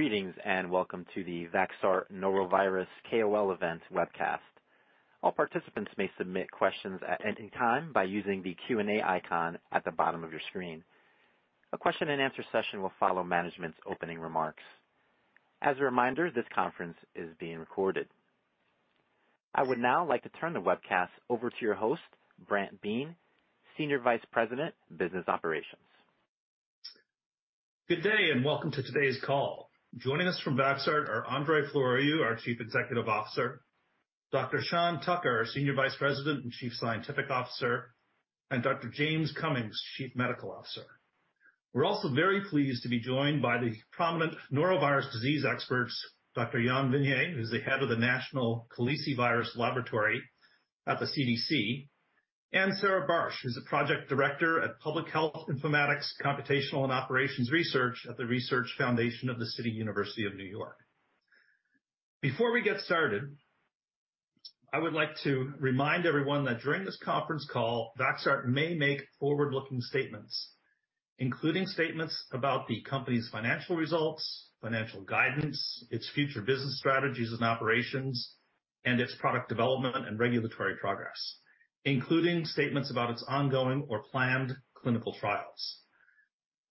Greetings, welcome to the Vaxart Norovirus KOL Event webcast. All participants may submit questions at any time by using the Q&A icon at the bottom of your screen. A question and answer session will follow management's opening remarks. As a reminder, this conference is being recorded. I would now like to turn the webcast over to your host, Brant Biehn, Senior Vice President, Business Operations. Good day, and welcome to today's call. Joining us from Vaxart are Andrei Floroiu, our Chief Executive Officer, Dr. Sean Tucker, our Senior Vice President and Chief Scientific Officer, and Dr. James F. Cummings, Chief Medical Officer. We're also very pleased to be joined by the prominent norovirus disease experts, Dr. Jan Vinjé, who's the head of the National Calicivirus Laboratory at the CDC, and Sarah M. Bartsch, who's the Project Director at Public Health Informatics, Computational, and Operations Research at the Research Foundation of the City University of New York. Before we get started, I would like to remind everyone that during this conference call, Vaxart may make forward-looking statements, including statements about the company's financial results, financial guidance, its future business strategies and operations, and its product development and regulatory progress, including statements about its ongoing or planned clinical trials.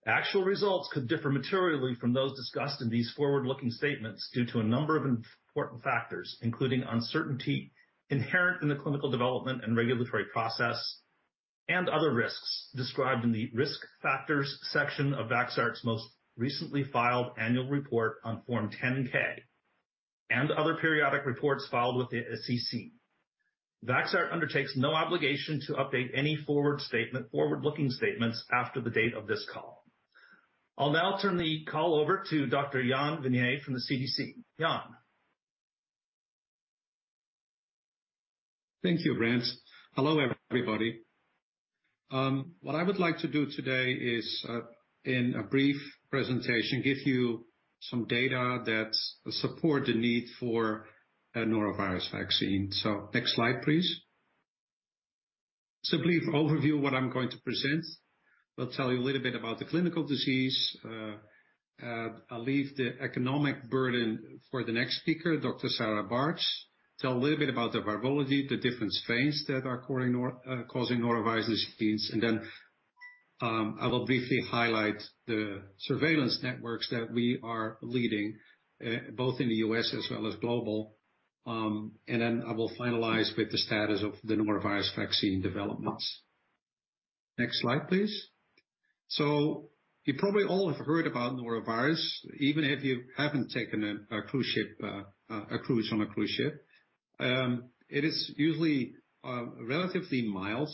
Actual results could differ materially from those discussed in these forward-looking statements due to a number of important factors, including uncertainty inherent in the clinical development and regulatory process and other risks described in the Risk Factors section of Vaxart's most recently filed annual report on Form 10-K and other periodic reports filed with the SEC. Vaxart undertakes no obligation to update any forward-looking statements after the date of this call. I'll now turn the call over to Dr. Jan Vinjé from the CDC. Jan. Thank you, Brant. Hello, everybody. What I would like to do today is in a brief presentation, give you some data that support the need for a norovirus vaccine. Next slide, please. Simply overview what I'm going to present. Will tell you a little bit about the clinical disease. I'll leave the economic burden for the next speaker, Dr. Sarah Bartsch. Tell a little bit about the virology, the different strains that are causing norovirus disease. I will briefly highlight the surveillance networks that we are leading, both in the U.S. as well as global. I will finalize with the status of the norovirus vaccine developments. Next slide, please. You probably all have heard about norovirus, even if you haven't taken a cruise ship, a cruise on a cruise ship. It is usually relatively mild.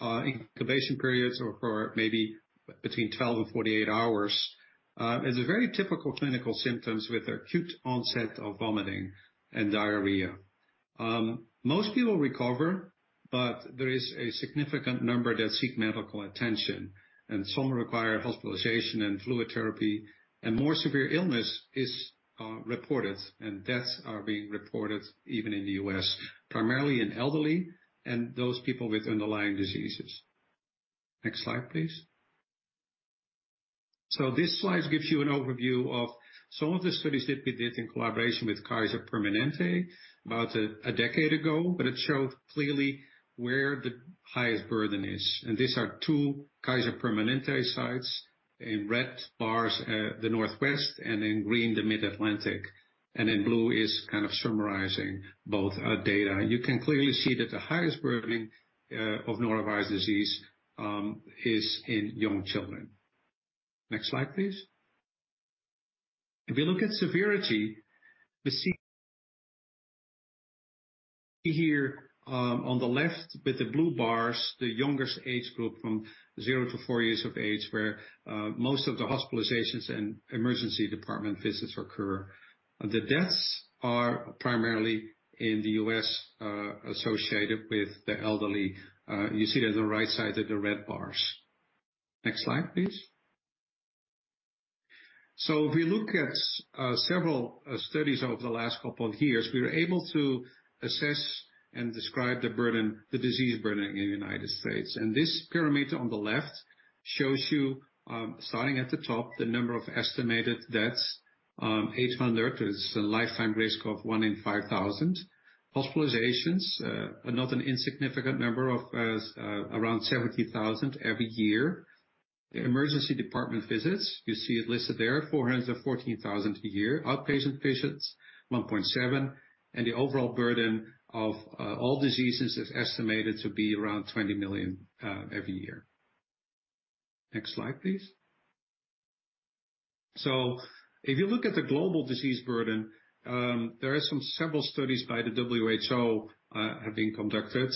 Incubation periods are for maybe between 12 and 48 hours. It's a very typical clinical symptoms with acute onset of vomiting and diarrhea. Most people recover, but there is a significant number that seek medical attention, and some require hospitalization and fluid therapy, and more severe illness is reported, and deaths are being reported even in the U.S., primarily in elderly and those people with underlying diseases. Next slide, please. This slide gives you an overview of some of the studies that we did in collaboration with Kaiser Permanente about a decade ago, but it showed clearly where the highest burden is. These are two Kaiser Permanente sites. In red bars, the Northwest, and in green, the Mid-Atlantic, and in blue is kind of summarizing both data. You can clearly see that the highest burden of norovirus disease is in young children. Next slide, please. If you look at severity, you see here on the left with the blue bars, the youngest age group from zero to four years of age, where most of the hospitalizations and emergency department visits occur. The deaths are primarily in the US associated with the elderly, you see that the right side of the red bars. Next slide, please. If you look at several studies over the last couple of years, we were able to assess and describe the burden, the disease burden in the United States. This pyramid on the left shows you, starting at the top, the number of estimated deaths, 800. There's a lifetime risk of one in 5,000. Hospitalizations are not an insignificant number of around 70,000 every year. The emergency department visits, you see it listed there, 414,000 a year. Outpatient patients, 1.7. The overall burden of all diseases is estimated to be around 20 million every year. Next slide, please. If you look at the global disease burden, there are some several studies by the WHO have been conducted.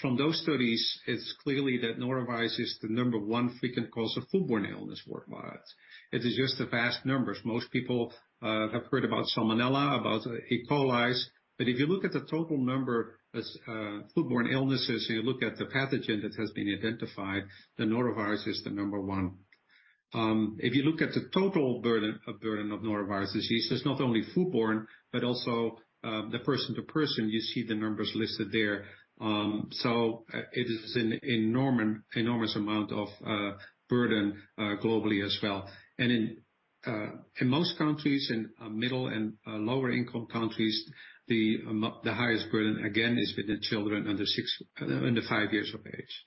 From those studies, it's clearly that norovirus is the number one frequent cause of foodborne illness worldwide. It is just the vast numbers. Most people have heard about Salmonella, about E. coli, but if you look at the total number as foodborne illnesses and you look at the pathogen that has been identified, the norovirus is the number one. If you look at the total burden of norovirus disease, it's not only foodborne, but also, the person to person, you see the numbers listed there. It is an enormous amount of burden, globally as well. In most countries, in middle and lower income countries, the highest burden, again, is with the children under five years of age.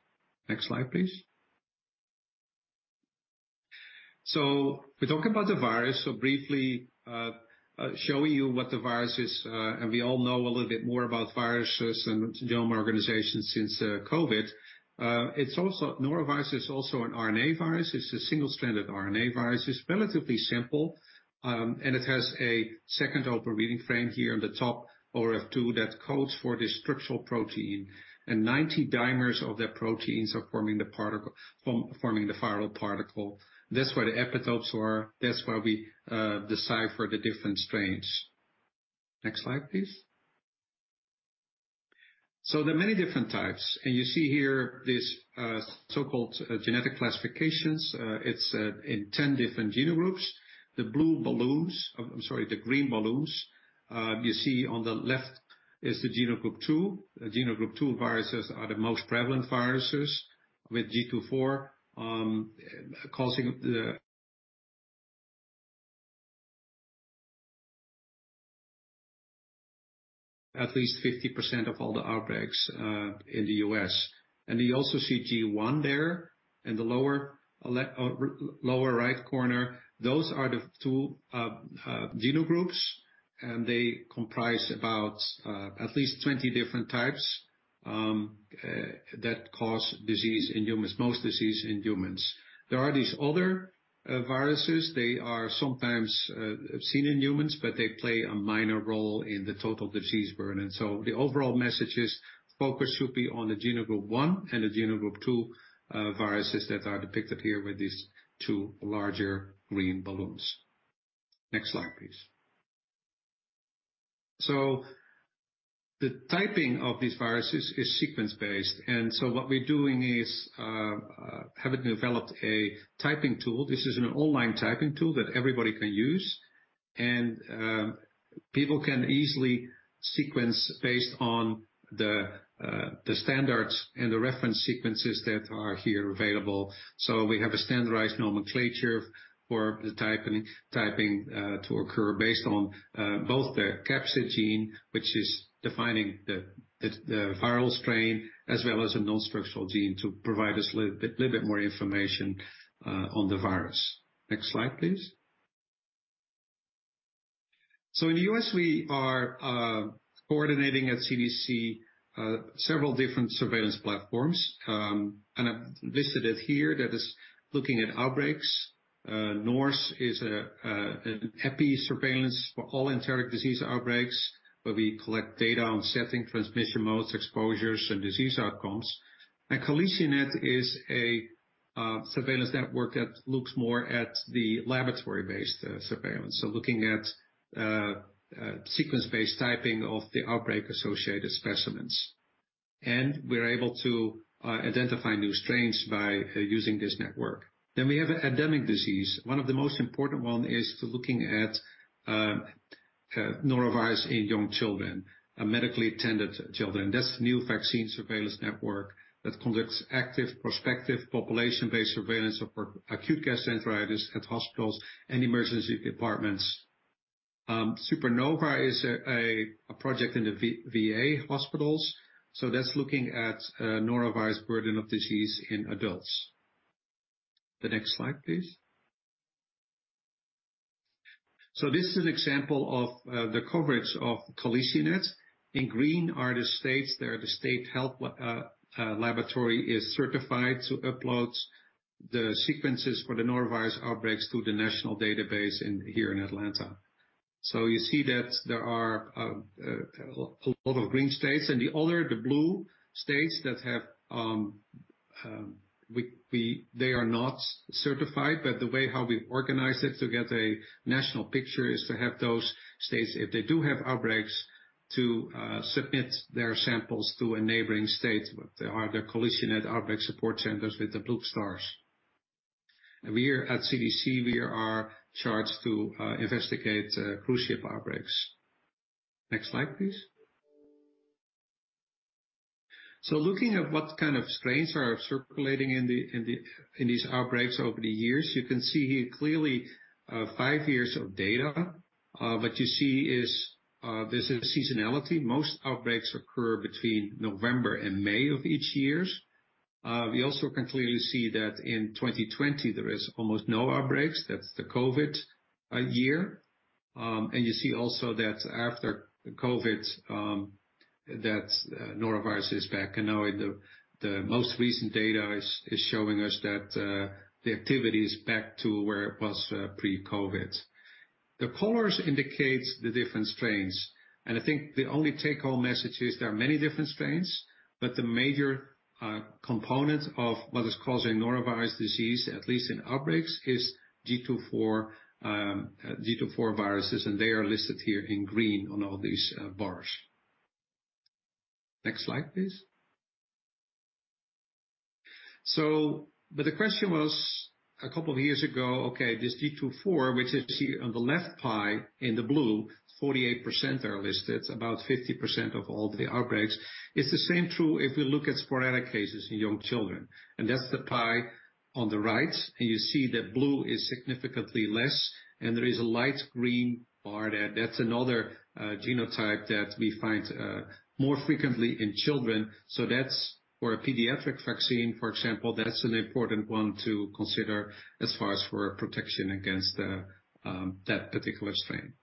Next slide, please. We talk about the virus. Briefly, showing you what the virus is, and we all know a little more about viruses and genome organization since COVID. norovirus is also an RNA virus. It's a single strand of RNA virus. It's relatively simple, and it has a second open reading frame here on the top, ORF2, that codes for the structural protein. 90 dimers of the proteins are forming the viral particle. That's where the epitopes are, that's where we decipher the different strains. Next slide, please. There are many different types, and you see here this so-called genetic classifications. It's in 10 different genogroups. The green balloons you see on the left is the Genogroup II. Genogroup II viruses are the most prevalent viruses, with GII.4 causing at least 50% of all the outbreaks in the U.S. You also see GI there in the lower right corner. Those are the two genogroups, they comprise about at least 20 different types that cause disease in humans, most disease in humans. There are these other viruses. They are sometimes seen in humans, but they play a minor role in the total disease burden. The overall message is focus should be on the Genogroup I and the Genogroup II viruses that are depicted here with these two larger green balloons. Next slide, please. The typing of these viruses is sequence-based, and so what we're doing is having developed a typing tool. This is an online typing tool that everybody can use, and people can easily sequence based on the standards and the reference sequences that are here available. We have a standardized nomenclature for the typing to occur based on both the capsid gene, which is defining the viral strain, as well as a non-structural gene to provide us little bit more information on the virus. Next slide, please. In the U.S., we are coordinating at CDC several different surveillance platforms, and I've listed it here. That is looking at outbreaks. NORS is an epi surveillance for all enteric disease outbreaks, where we collect data on setting transmission modes, exposures, and disease outcomes. CaliciNet is a surveillance network that looks more at the laboratory-based surveillance. Looking at sequence-based typing of the outbreak-associated specimens. We are able to identify new strains by using this network. We have endemic disease. One of the most important one is looking at norovirus in young children, medically attended children. That's New Vaccine Surveillance Network that conducts active prospective population-based surveillance of acute gastroenteritis at hospitals and emergency departments. SUPERNOVA is a project in the VA hospitals, that's looking at norovirus burden of disease in adults. The next slide, please. This is an example of the coverage of CaliciNet. In green are the states that the state health laboratory is certified to upload the sequences for the norovirus outbreaks to the national database in here in Atlanta. You see that there are a lot of green states. The other, the blue states that have they are not certified, but the way how we organize it to get a national picture is to have those states, if they do have outbreaks, to submit their samples to a neighboring state. There are the CaliciNet outbreak support centers with the blue stars. We here at CDC, we are charged to investigate cruise ship outbreaks. Next slide, please. Looking at what kind of strains are circulating in these outbreaks over the years, you can see here clearly, five years of data. You see is, there's a seasonality. Most outbreaks occur between November and May of each years. We also can clearly see that in 2020 there is almost no outbreaks. That's the COVID year. You see also that after the COVID, that norovirus is back. Now the most recent data is showing us that, the activity is back to where it was, pre-COVID. The colors indicates the different strains, and I think the only take-home message is there are many different strains, but the major component of what is causing norovirus disease, at least in outbreaks, is GII.4, GII.4 viruses, and they are listed here in green on all these bars. Next slide, please. The question was a couple of years ago, okay, this GII.4, which you see on the left pie in the blue, 48% are listed, about 50% of all the outbreaks. It's the same true if we look at sporadic cases in young children, and that's the pie on the right. You see that blue is significantly less, and there is a light green bar there. That's another genotype that we find more frequently in children. That's where a pediatric vaccine, for example, that is an important one to consider as far as for protection against the that particular strain.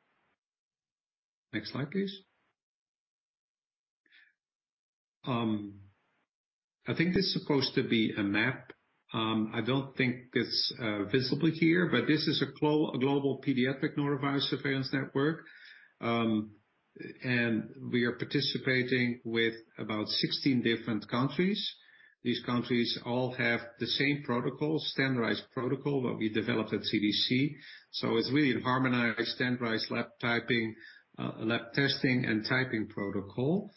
Next slide, please. I think this is supposed to be a map. I don't think it's visible here, but this is a global pediatric norovirus surveillance network. We are participating with about 16 different countries. These countries all have the same protocol, standardized protocol that we developed at CDC. It's really a harmonized, standardized lab typing, lab testing, and typing protocol.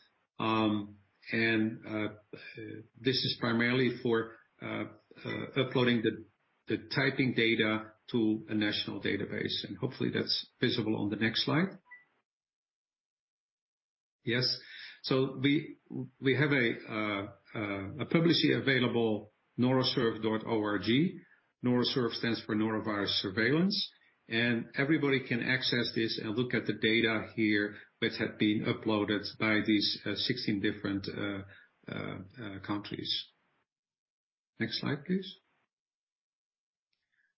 This is primarily for uploading the typing data to a national database, and hopefully, that's visible on the next slide. Yes. We have a publicly available NoroSurv.org. NoroSurv stands for norovirus surveillance, everybody can access this and look at the data here, which have been uploaded by these 16 different countries. Next slide, please.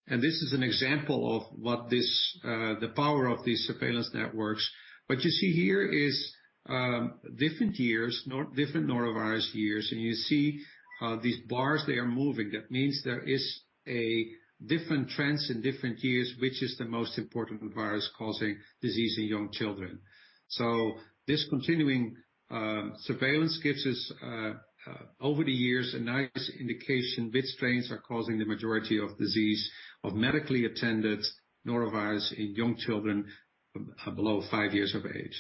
This is an example of what this the power of these surveillance networks. What you see here is different years, different norovirus years. You see these bars, they are moving. That means there is a different trends in different years, which is the most important virus causing disease in young children. This continuing surveillance gives us over the years, a nice indication which strains are causing the majority of disease of medically attended norovirus in young children below five years of age.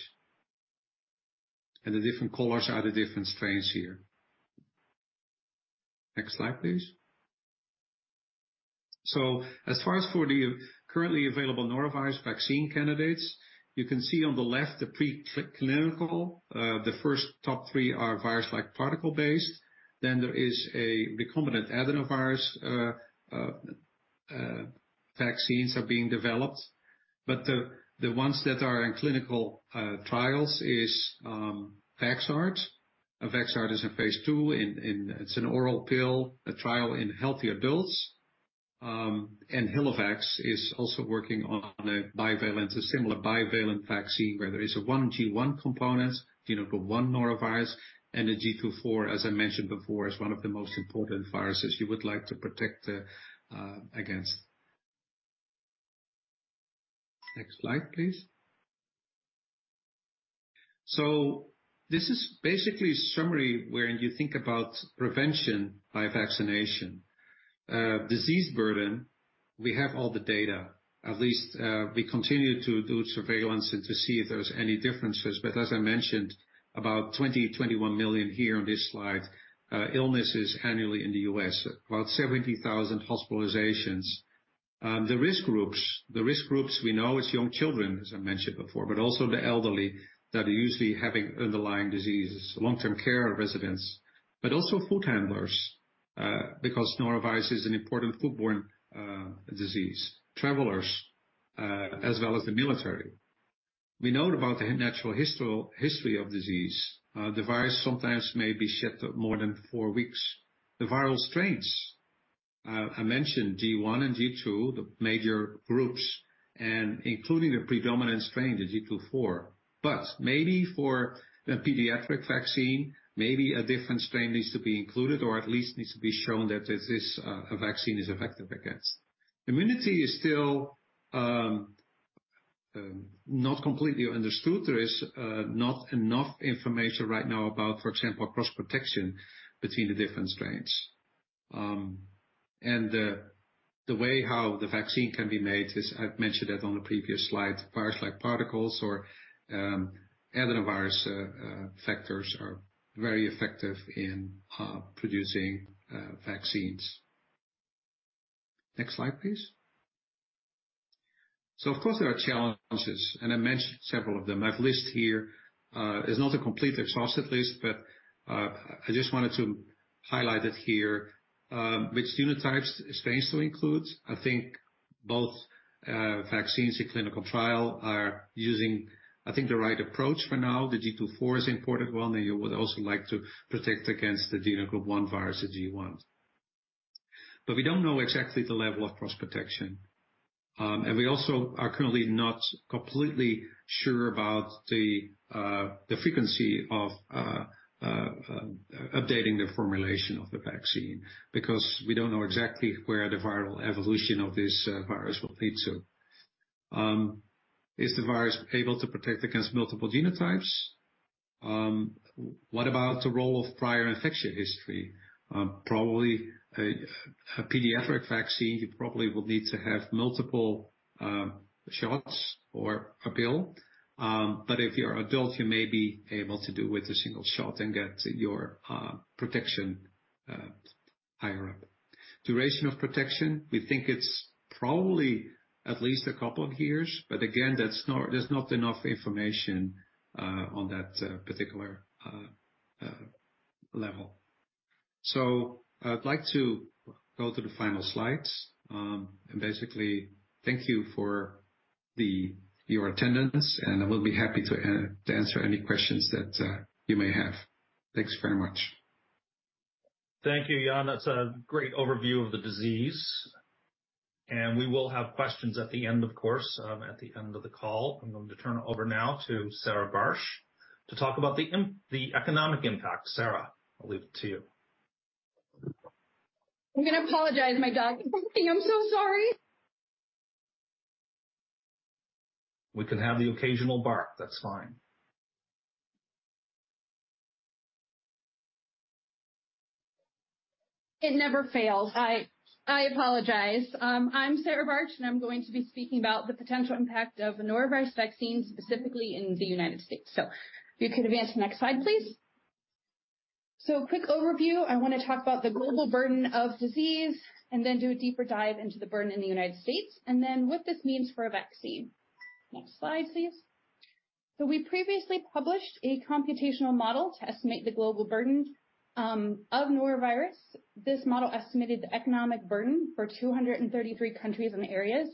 The different colors are the different strains here. Next slide, please. As far as for the currently available norovirus vaccine candidates, you can see on the left the preclinical. The first top three are virus-like particle based. There is a recombinant adenovirus vaccines are being developed. The ones that are in clinical trials is Vaxart. Vaxart is in phase II. It's an oral pill, a trial in healthy adults. And HilleVax is also working on a bivalent, a similar bivalent vaccine where there is a one G1 component, genotype 1 norovirus, and a GII.4, as I mentioned before, is one of the most important viruses you would like to protect against. Next slide, please. This is basically summary when you think about prevention by vaccination. Disease burden, we have all the data. At least, we continue to do surveillance and to see if there's any differences. As I mentioned, about 20, 21 million here on this slide, illnesses annually in the U.S. About 70,000 hospitalizations. The risk groups. The risk groups we know it's young children, as I mentioned before, but also the elderly that are usually having underlying diseases, long-term care residents, but also food handlers, because norovirus is an important food-borne disease. Travelers, as well as the military. We know about the natural history of disease. The virus sometimes may be shed more than four weeks. The viral strains, I mentioned G one and G two, the major groups, and including the predominant strain, the GII.4. Maybe for the pediatric vaccine, maybe a different strain needs to be included or at least needs to be shown that this vaccine is effective against. Immunity is still not completely understood. There is not enough information right now about, for example, cross protection between the different strains. The way how the vaccine can be made is, I've mentioned that on the previous slide, virus-like particles or adenovirus vectors are very effective in producing vaccines. Next slide, please. Of course, there are challenges, and I mentioned several of them. I've listed here is not a complete exhaustive list, but I just wanted to highlight it here. Which genotypes strains to include. I think both vaccines in clinical trial are using, I think, the right approach for now. The GII.4 is important one. You would also like to protect against the genotype I virus, the GI. We don't know exactly the level of cross protection. We also are currently not completely sure about the frequency of updating the formulation of the vaccine, because we don't know exactly where the viral evolution of this virus will lead to. Is the virus able to protect against multiple genotypes? What about the role of prior infection history? Probably a pediatric vaccine, you probably will need to have multiple shots or a pill. If you're adult, you may be able to do with a single shot and get your protection higher up. Duration of protection, we think it's probably at least a couple of years, but again, there's not enough information on that particular level. I'd like to go to the final slides, and basically thank you for your attendance, and I will be happy to answer any questions that you may have. Thanks very much. Thank you, Jan. That's a great overview of the disease. We will have questions at the end, of course, at the end of the call. I'm going to turn over now to Sarah Bartsch to talk about the economic impact. Sara, I'll leave it to you. I'm gonna apologize, my dog is barking. I'm so sorry. We can have the occasional bark. That's fine. It never fails. I apologize. I'm Sarah M. Bartsch, and I'm going to be speaking about the potential impact of norovirus vaccine, specifically in the United States. If you could advance to the next slide, please. Quick overview. I wanna talk about the global burden of disease and then do a deeper dive into the burden in the United States, and then what this means for a vaccine. Next slide, please. We previously published a computational model to estimate the global burden of norovirus. This model estimated the economic burden for 233 countries and areas,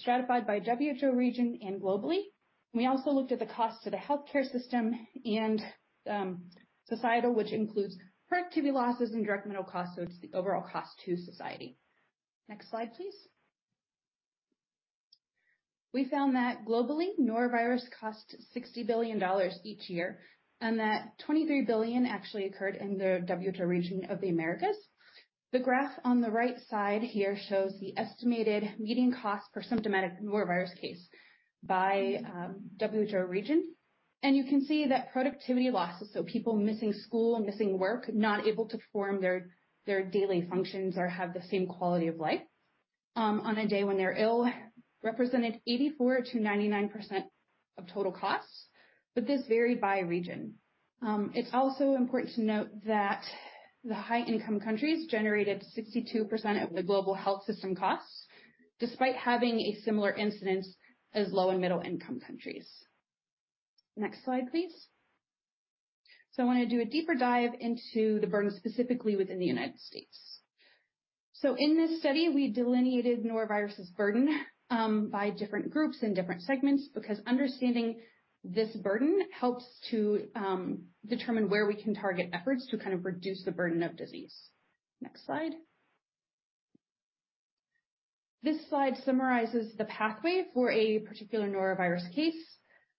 stratified by WHO region and globally. We also looked at the cost to the healthcare system and societal, which includes productivity losses and direct medical costs, so it's the overall cost to society. Next slide, please. We found that globally, norovirus costs $60 billion each year, and that $23 billion actually occurred in the WHO region of the Americas. The graph on the right side here shows the estimated median cost per symptomatic norovirus case by WHO region. You can see that productivity losses, so people missing school and missing work, not able to perform their daily functions or have the same quality of life on a day when they're ill, represented 84%-99% of total costs, this varied by region. It's also important to note that the high income countries generated 62% of the global health system costs, despite having a similar incidence as low and middle income countries. Next slide, please. I wanna do a deeper dive into the burden specifically within the United States. In this study, we delineated norovirus's burden by different groups and different segments because understanding this burden helps to determine where we can target efforts to kind of reduce the burden of disease. Next slide. This slide summarizes the pathway for a particular norovirus case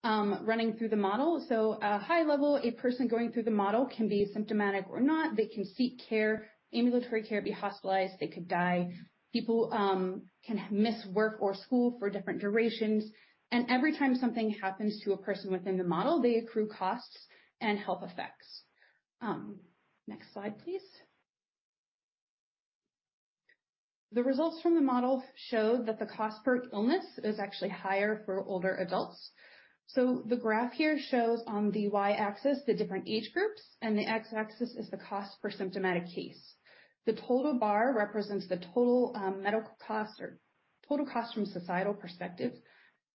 running through the model. At a high level, a person going through the model can be symptomatic or not. They can seek care, ambulatory care, be hospitalized. They could die. People can miss work or school for different durations, and every time something happens to a person within the model, they accrue costs and health effects. Next slide, please. The results from the model show that the cost per illness is actually higher for older adults. The graph here shows on the y-axis the different age groups, and the x-axis is the cost per symptomatic case. The total bar represents the total medical cost or total cost from societal perspective.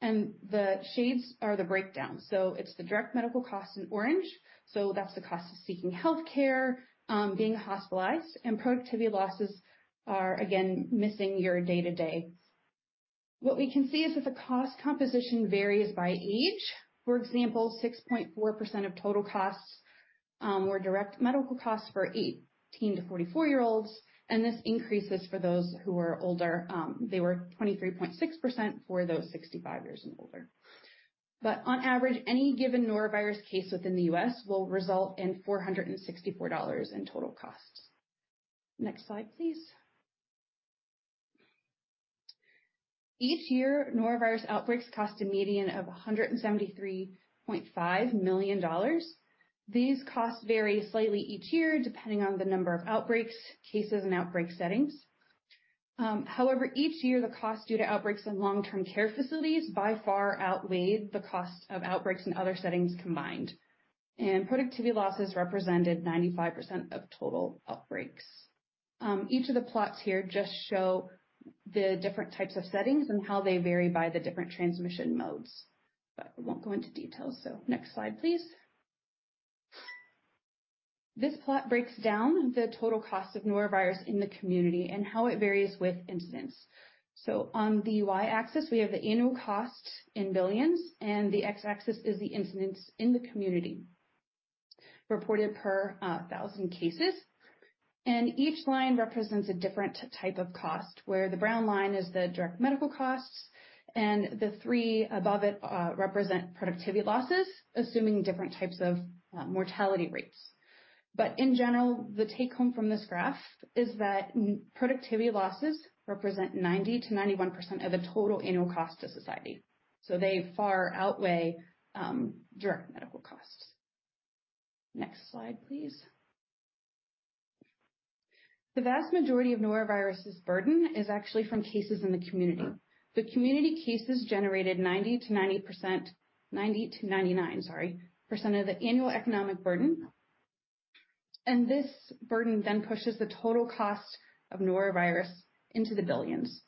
The shades are the breakdown. It's the direct medical cost in orange, that's the cost of seeking healthcare, being hospitalized. Productivity losses are again missing your day-to-day. What we can see is that the cost composition varies by age. For example, 6.4% of total costs were direct medical costs for 18-44-year-olds. This increases for those who are older. They were 23.6% for those 65 years and older. On average, any given norovirus case within the US will result in $464 in total costs. Next slide, please. Each year, norovirus outbreaks cost a median of $173.5 million. These costs vary slightly each year depending on the number of outbreaks, cases, and outbreak settings. However, each year the cost due to outbreaks in long-term care facilities by far outweighed the cost of outbreaks in other settings combined. Productivity losses represented 95% of total outbreaks. Each of the plots here just show the different types of settings and how they vary by the different transmission modes, but I won't go into details. Next slide, please. This plot breaks down the total cost of norovirus in the community and how it varies with incidence. On the y-axis, we have the annual cost in $billions, and the x-axis is the incidence in the community reported per 1,000 cases. Each line represents a different type of cost, where the brown line is the direct medical costs and the three above it, represent productivity losses, assuming different types of mortality rates. In general, the take-home from this graph is that productivity losses represent 90%-91% of the total annual cost to society. They far outweigh direct medical costs. Next slide, please. The vast majority of norovirus's burden is actually from cases in the community. The community cases generated 90% to 99%, sorry, of the annual economic burden. This burden then pushes the total cost of norovirus into the billions.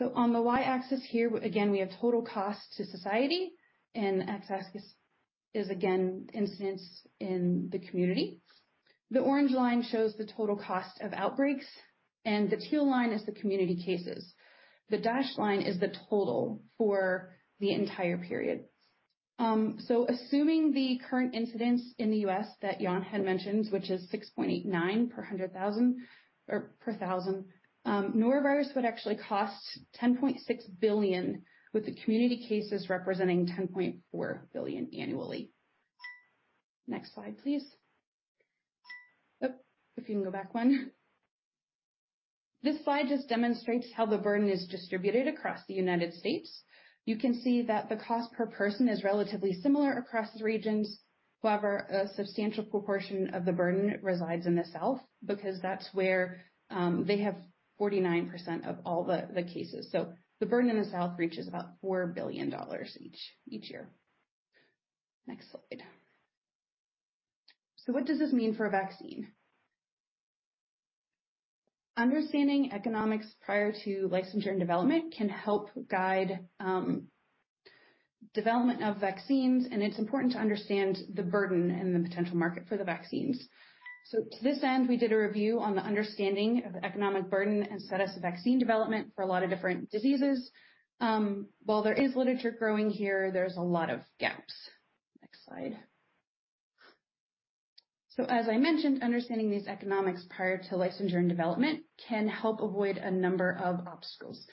On the Y-axis here, again, we have total cost to society, and X-axis is again incidence in the community. The orange line shows the total cost of outbreaks, and the teal line is the community cases. The dashed line is the total for the entire period. Assuming the current incidence in the U.S. that Jan had mentioned, which is 6.89 per 100,000 or per 1,000, norovirus would actually cost $10.6 billion, with the community cases representing $10.4 billion annually. Next slide, please. If you can go back one. This slide just demonstrates how the burden is distributed across the United States. You can see that the cost per person is relatively similar across the regions. However, a substantial proportion of the burden resides in the South because that's where they have 49% of all the cases. The burden in the South reaches about $4 billion each year. Next slide. What does this mean for a vaccine? Understanding economics prior to licensure and development can help guide development of vaccines. It's important to understand the burden and the potential market for the vaccines. To this end, we did a review on the understanding of the economic burden and status of vaccine development for a lot of different diseases. While there is literature growing here, there's a lot of gaps. Next slide. As I mentioned, understanding these economics prior to licensure and development can help avoid a number of obstacles.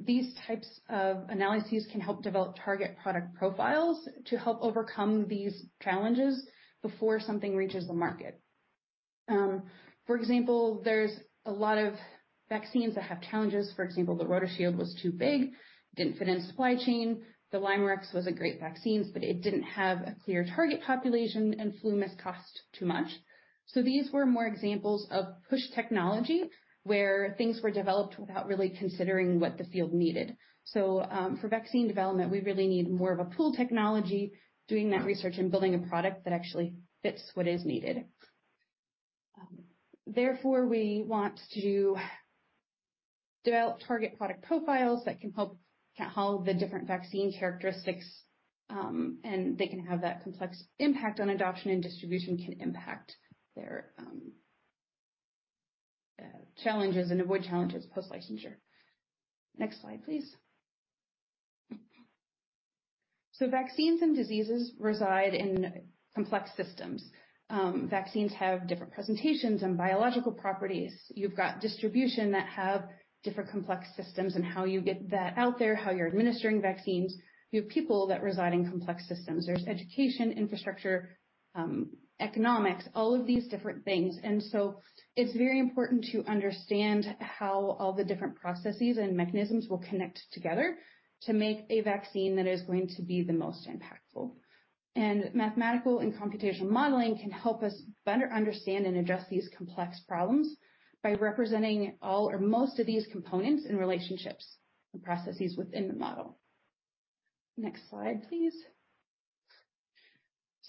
These types of analyses can help develop target product profiles to help overcome these challenges before something reaches the market. For example, there's a lot of vaccines that have challenges. For example, the RotaShield was too big, didn't fit in supply chain. The LYMErix was a great vaccine, but it didn't have a clear target population. FluMist cost too much. These were more examples of push technology, where things were developed without really considering what the field needed. For vaccine development, we really need more of a pull technology, doing that research and building a product that actually fits what is needed. Therefore, we want to develop target product profiles that can help how the different vaccine characteristics, and they can have that complex impact on adoption and distribution can impact their challenges and avoid challenges post-licensure. Next slide, please. Vaccines and diseases reside in complex systems. Vaccines have different presentations and biological properties. You've got distribution that have different complex systems and how you get that out there, how you're administering vaccines. You have people that reside in complex systems. There's education, infrastructure, economics, all of these different things. It's very important to understand how all the different processes and mechanisms will connect together to make a vaccine that is going to be the most impactful. Mathematical and computational modeling can help us better understand and address these complex problems by representing all or most of these components and relationships and processes within the model. Next slide, please.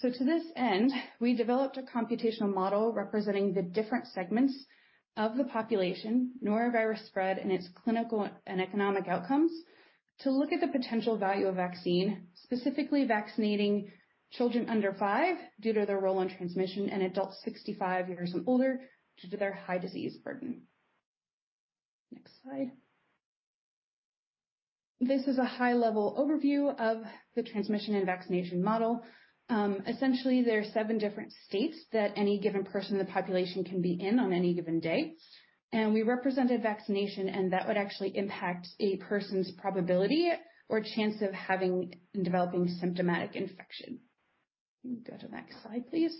To this end, we developed a computational model representing the different segments of the population, norovirus spread, and its clinical and economic outcomes to look at the potential value of vaccine, specifically vaccinating children under five due to their role in transmission and adults 65 years and older due to their high disease burden. Next slide. This is a high-level overview of the transmission and vaccination model. Essentially, there are seven different states that any given person in the population can be in on any given day. We represented vaccination, and that would actually impact a person's probability or chance of having and developing symptomatic infection. You can go to the next slide, please.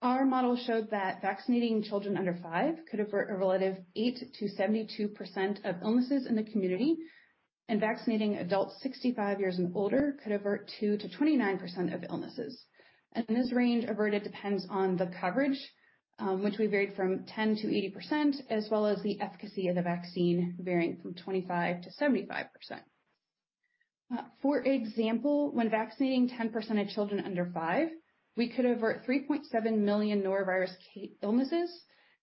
Our model showed that vaccinating children under five could avert a relative 8%-72% of illnesses in the community, and vaccinating adults 65 years and older could avert 2%-29% of illnesses. This range averted depends on the coverage, which we varied from 10%-80%, as well as the efficacy of the vaccine varying from 25%-75%. For example, when vaccinating 10% of children under five, we could avert 3.7 million norovirus illnesses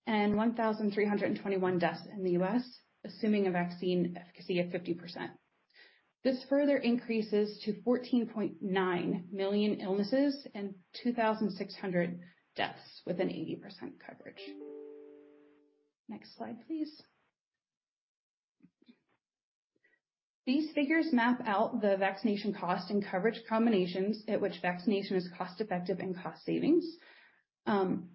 and 1,321 deaths in the US, assuming a vaccine efficacy of 50%. This further increases to 14.9 million illnesses and 2,600 deaths with an 80% coverage. Next slide, please. These figures map out the vaccination cost and coverage combinations at which vaccination is cost-effective and cost savings from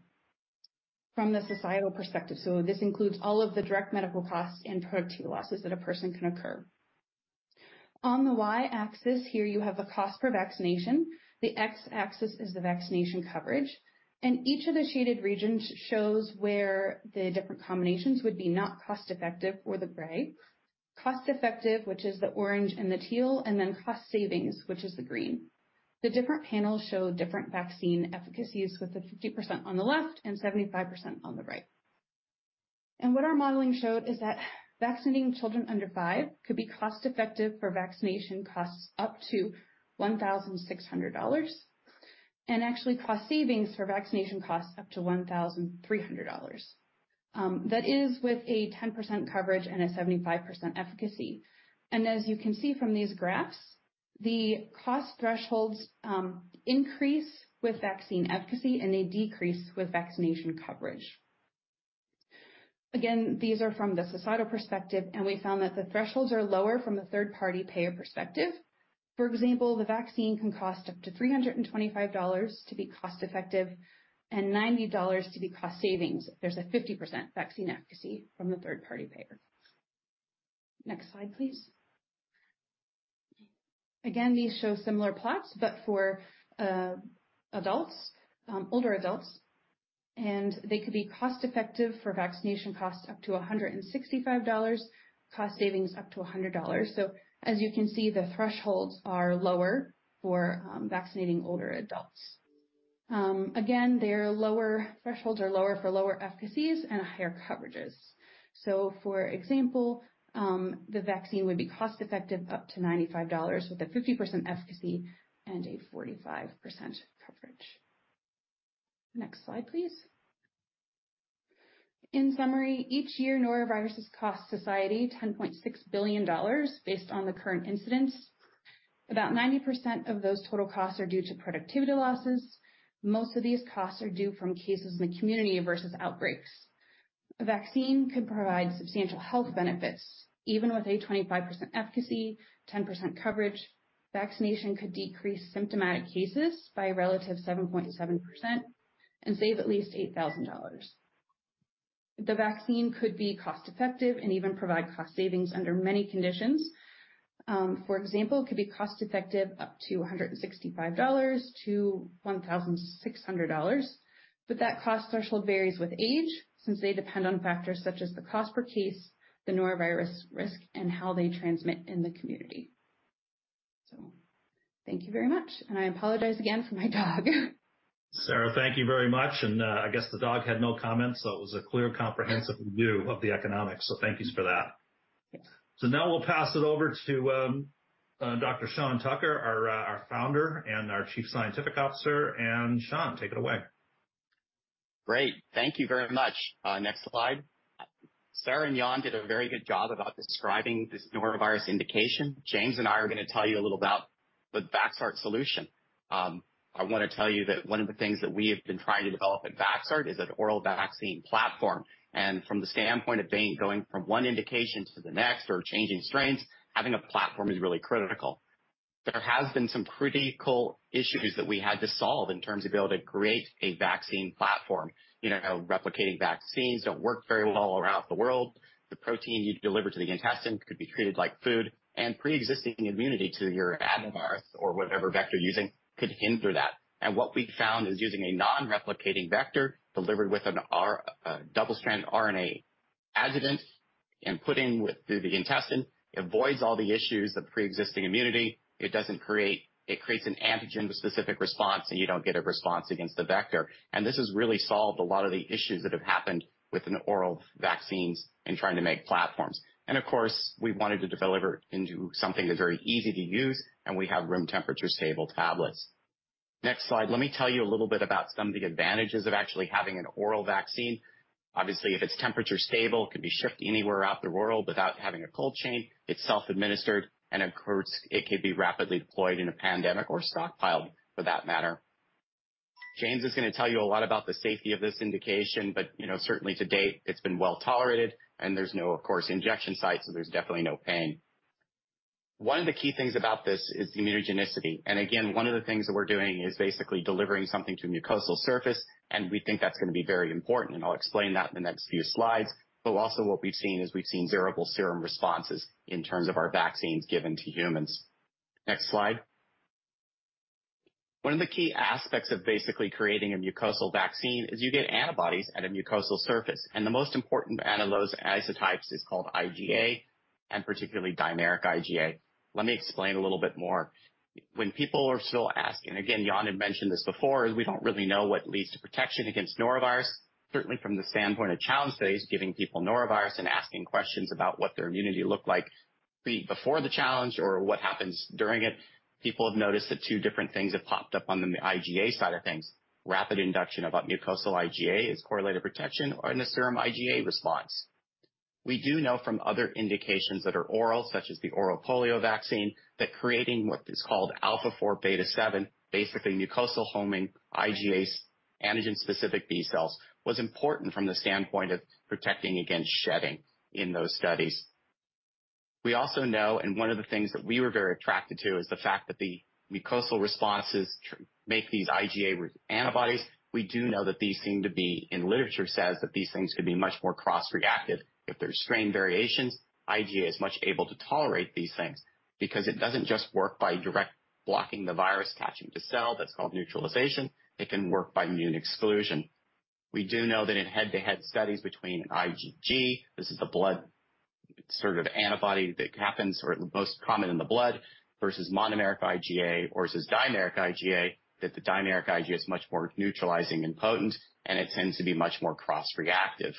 the societal perspective. This includes all of the direct medical costs and productivity losses that a person can occur. On the Y-axis here you have the cost per vaccination. The X-axis is the vaccination coverage. Each of the shaded regions shows where the different combinations would be not cost-effective for the gray, cost-effective, which is the orange and the teal, and then cost savings, which is the green. The different panels show different vaccine efficacies with the 50% on the left and 75% on the right. What our modeling showed is that vaccinating children under 5 could be cost-effective for vaccination costs up to $1,600, and actually cost savings for vaccination costs up to $1,300. That is with a 10% coverage and a 75% efficacy. As you can see from these graphs, the cost thresholds increase with vaccine efficacy and they decrease with vaccination coverage. Again, these are from the societal perspective, and we found that the thresholds are lower from the third-party payer perspective. The vaccine can cost up to $325 to be cost-effective and $90 to be cost savings. There's a 50% vaccine efficacy from the third-party payer. Next slide, please. These show similar plots but for adults, older adults, and they could be cost-effective for vaccination costs up to $165, cost savings up to $100. As you can see, the thresholds are lower for vaccinating older adults. Thresholds are lower for lower efficacies and higher coverages. For example, the vaccine would be cost-effective up to $95 with a 50% efficacy and a 45% coverage. Next slide, please. In summary, each year noroviruses cost society $10.6 billion based on the current incidence. About 90% of those total costs are due to productivity losses. Most of these costs are due from cases in the community versus outbreaks. A vaccine could provide substantial health benefits. Even with a 25% efficacy, 10% coverage, vaccination could decrease symptomatic cases by a relative 7.7% and save at least $8,000. The vaccine could be cost-effective and even provide cost savings under many conditions. For example, it could be cost-effective up to $165-$1,600, but that cost threshold varies with age since they depend on factors such as the cost per case, the norovirus risk, and how they transmit in the community. Thank you very much, and I apologize again for my dog. Sarah, thank you very much. I guess the dog had no comment, so it was a clear, comprehensive view of the economics, so thank you for that. Yes. Now we'll pass it over to Dr. Sean Tucker, our founder and our Chief Scientific Officer. Sean, take it away. Great. Thank you very much. Next slide. Sarah and Jan did a very good job about describing this norovirus indication. James and I are gonna tell you a little about the Vaxart solution. I wanna tell you that one of the things that we have been trying to develop at Vaxart is an oral vaccine platform. From the standpoint of going from one indication to the next or changing strains, having a platform is really critical. There has been some critical issues that we had to solve in terms of being able to create a vaccine platform. You know, replicating vaccines don't work very well all around the world. The protein you deliver to the intestine could be treated like food and preexisting immunity to your adenovirus or whatever vector you're using could hinder that. What we found is using a non-replicating vector delivered with a double-stranded RNA adjuvant and put in with through the intestine, avoids all the issues of preexisting immunity. It creates an antigen-specific response, and you don't get a response against the vector. This has really solved a lot of the issues that have happened with oral vaccines in trying to make platforms. Of course, we wanted to deliver into something that's very easy to use, and we have room temperature stable tablets. Next slide. Let me tell you a little bit about some of the advantages of actually having an oral vaccine. Obviously, if it's temperature stable, it could be shipped anywhere out the world without having a cold chain. It's self-administered, it could be rapidly deployed in a pandemic or stockpiled for that matter. James is gonna tell you a lot about the safety of this indication, but you know, certainly to date it's been well tolerated and there's no, of course, injection site, so there's definitely no pain. One of the key things about this is immunogenicity. Again, one of the things that we're doing is basically delivering something to mucosal surface, and we think that's gonna be very important. I'll explain that in the next few slides. Also what we've seen is we've seen durable serum responses in terms of our vaccines given to humans. Next slide. One of the key aspects of basically creating a mucosal vaccine is you get antibodies at a mucosal surface, and the most important of those isotypes is called IgA and particularly dimeric IgA. Let me explain a little bit more. When people are still asking, again, Jan had mentioned this before, is we don't really know what leads to protection against norovirus, certainly from the standpoint of challenge studies, giving people norovirus and asking questions about what their immunity looked like before the challenge or what happens during it. People have noticed that two different things have popped up on the IgA side of things. Rapid induction about mucosal IgA is correlated protection or in the serum IgA response. We do know from other indications that are oral, such as the oral polio vaccine, that creating what is called alpha-4 beta-7, basically mucosal homing IgA antigen specific B cells, was important from the standpoint of protecting against shedding in those studies. We also know, and one of the things that we were very attracted to, is the fact that the mucosal responses make these IgA antibodies. We do know that these seem to be, and literature says that these things could be much more cross-reactive. If there's strain variations, IgA is much able to tolerate these things because it doesn't just work by direct blocking the virus attaching to cell, that's called neutralization. It can work by immune exclusion. We do know that in head-to-head studies between IgG, this is the blood sort of antibody that happens or most common in the blood, versus monomeric IgA or it is dimeric IgA, that the dimeric IgA is much more neutralizing and potent, and it tends to be much more cross-reactive.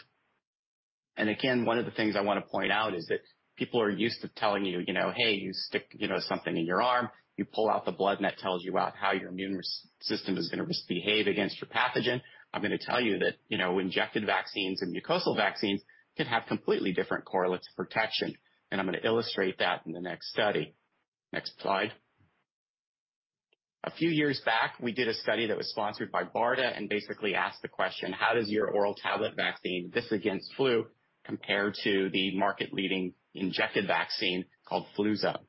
Again, one of the things I want to point out is that people are used to telling you know, hey, you stick, you know, something in your arm, you pull out the blood, and that tells you out how your immune system is gonna misbehave against your pathogen. I'm gonna tell you that, you know, injected vaccines and mucosal vaccines can have completely different correlates of protection, and I'm gonna illustrate that in the next study. Next slide. A few years back, we did a study that was sponsored by BARDA and basically asked the question, how does your oral tablet vaccine this against flu compare to the market-leading injected vaccine called Fluzone?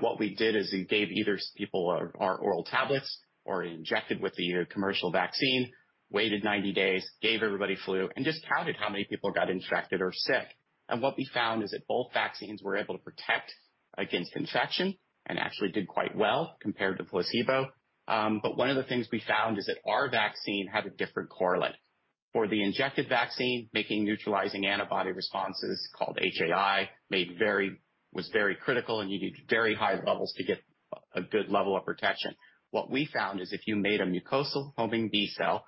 What we did is we gave either people or our oral tablets or injected with the commercial vaccine, waited 90 days, gave everybody flu, and just counted how many people got infected or sick. What we found is that both vaccines were able to protect against infection and actually did quite well compared to placebo. One of the things we found is that our vaccine had a different correlate. For the injected vaccine, making neutralizing antibody responses called HAI was very critical, and you need very high levels to get a good level of protection. What we found is if you made a mucosal homing B cell,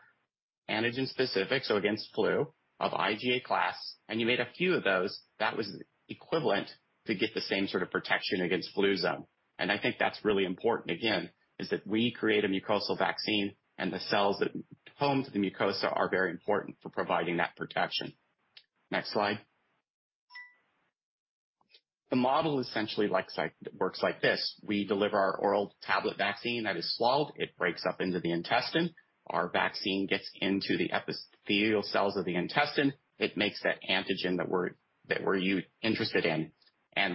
antigen-specific, so against flu, of IgA class, and you made a few of those, that was equivalent to get the same sort of protection against Fluzone. I think that's really important, again, is that we create a mucosal vaccine, and the cells that home to the mucosa are very important for providing that protection. Next slide. The model essentially works like this. We deliver our oral tablet vaccine that is swallowed. It breaks up into the intestine. Our vaccine gets into the epithelial cells of the intestine. It makes that antigen that we're interested in.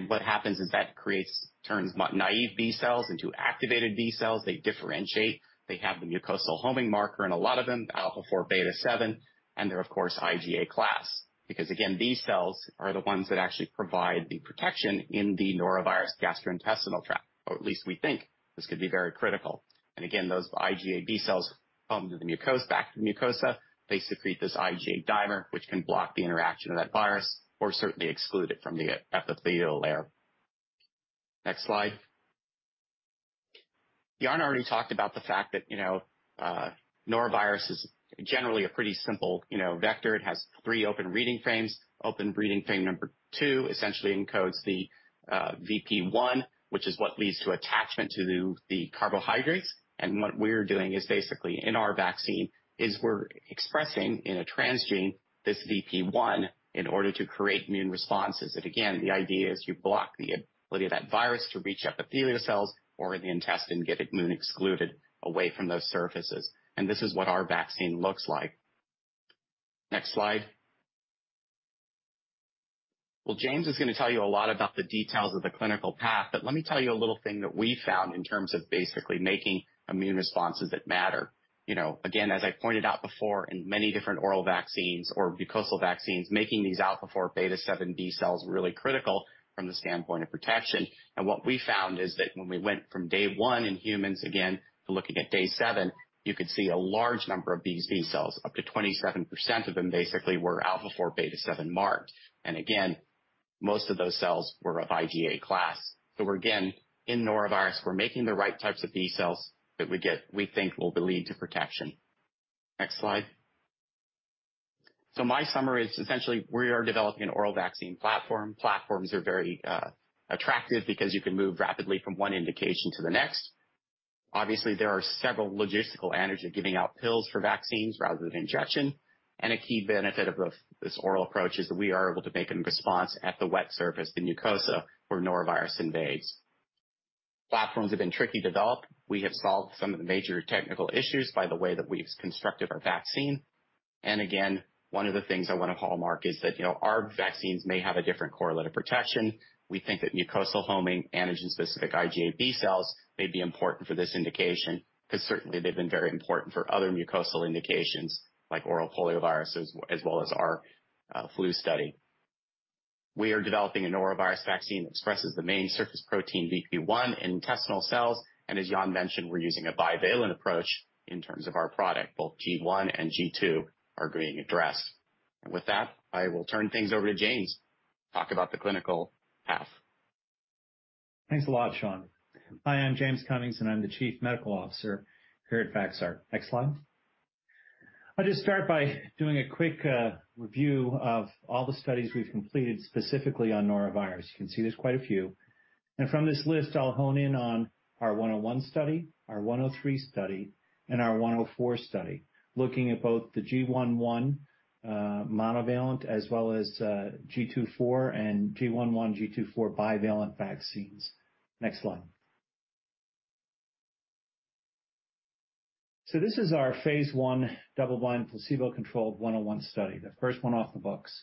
What happens is that creates, turns naive B cells into activated B cells. They differentiate. They have the mucosal homing marker, and a lot of them, alpha-4 beta-7, and they're of course IgA class. Again, B cells are the ones that actually provide the protection in the norovirus gastrointestinal tract, or at least we think this could be very critical. Again, those IgA B cells come to the mucosa, back to the mucosa. They secrete this IgA dimer, which can block the interaction of that virus or certainly exclude it from the epithelial layer. Next slide. Jan already talked about the fact that, you know, norovirus is generally a pretty simple, you know, vector. It has three open reading frames. Open reading frame number two essentially encodes the VP1, which is what leads to attachment to the carbohydrates. What we're doing is basically, in our vaccine, is we're expressing in a transgene this VP1 in order to create immune responses. Again, the idea is you block the ability of that virus to reach epithelial cells or in the intestine, get it immune excluded away from those surfaces. This is what our vaccine looks like. Next slide. Well, James is gonna tell you a lot about the details of the clinical path, but let me tell you a little thing that we found in terms of basically making immune responses that matter. You know, again, as I pointed out before, in many different oral vaccines or mucosal vaccines, making these alpha-4 beta-7 B cells are really critical from the standpoint of protection. What we found is that when we went from day one in humans, again, to looking at day seven, you could see a large number of these B cells, up to 27% of them basically were alpha-4 beta-7 marked. Again, most of those cells were of IgA class. Again, in norovirus, we think will lead to protection. Next slide. My summary is essentially we are developing an oral vaccine platform. Platforms are very attractive because you can move rapidly from one indication to the next. Obviously, there are several logistical advantages of giving out pills for vaccines rather than injection. A key benefit of this oral approach is that we are able to make a response at the wet surface, the mucosa, where norovirus invades. Platforms have been tricky to develop. We have solved some of the major technical issues by the way that we've constructed our vaccine. Again, one of the things I want to hallmark is that, you know, our vaccines may have a different correlate of protection. We think that mucosal homing, antigen-specific IgA B cells may be important for this indication, 'cause certainly they've been very important for other mucosal indications like oral poliovirus as well as our flu study. We are developing a norovirus vaccine that expresses the main surface protein VP1 in intestinal cells. As Jan Vinjé mentioned, we're using a bivalent approach in terms of our product. Both G1 and G2 are being addressed. With that, I will turn things over to James to talk about the clinical path. Thanks a lot, Sean. Hi, I'm James Cummings, and I'm the Chief Medical Officer here at Vaxart. Next slide. I'll just start by doing a quick review of all the studies we've completed specifically on norovirus. You can see there's quite a few. From this list, I'll hone in on our 101 study, our 103 study, and our 104 study, looking at both the GI.1 monovalent as well as GII.4 and GI.1, GII.4 bivalent vaccines. Next slide. This is our Phase I double-blind placebo-controlled 101 study, the first one off the books.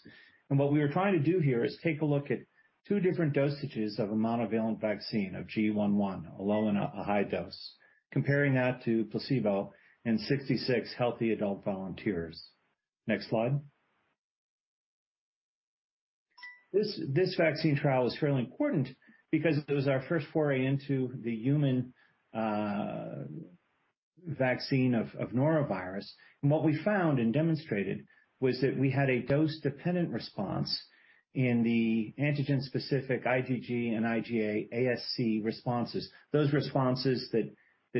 What we are trying to do here is take a look at two different dosages of a monovalent vaccine of GI.1, a low and a high dose, comparing that to placebo in 66 healthy adult volunteers. Next slide. This vaccine trial is fairly important because it was our first foray into the human vaccine of norovirus, and what we found and demonstrated was that we had a dose-dependent response in the antigen specific IgG and IgA ASC responses, those responses that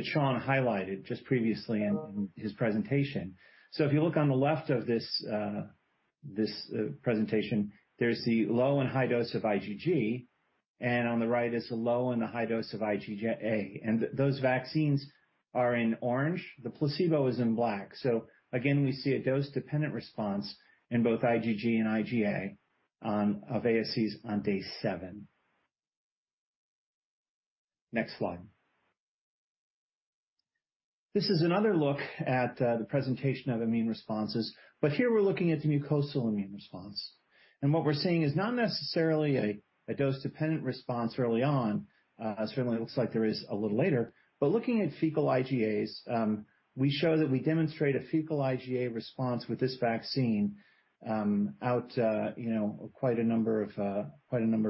Sean highlighted just previously in his presentation. If you look on the left of this presentation, there's the low and high dose of IgG, and on the right is the low and the high dose of IgA. Those vaccines are in orange. The placebo is in black. Again, we see a dose-dependent response in both IgG and IgA of ASCs on day seven. Next slide. This is another look at the presentation of immune responses, but here we're looking at the mucosal immune response. What we're seeing is not necessarily a dose-dependent response early on, certainly looks like there is a little later, but looking at fecal IgAs, we show that we demonstrate a fecal IgA response with this vaccine, out, you know, quite a number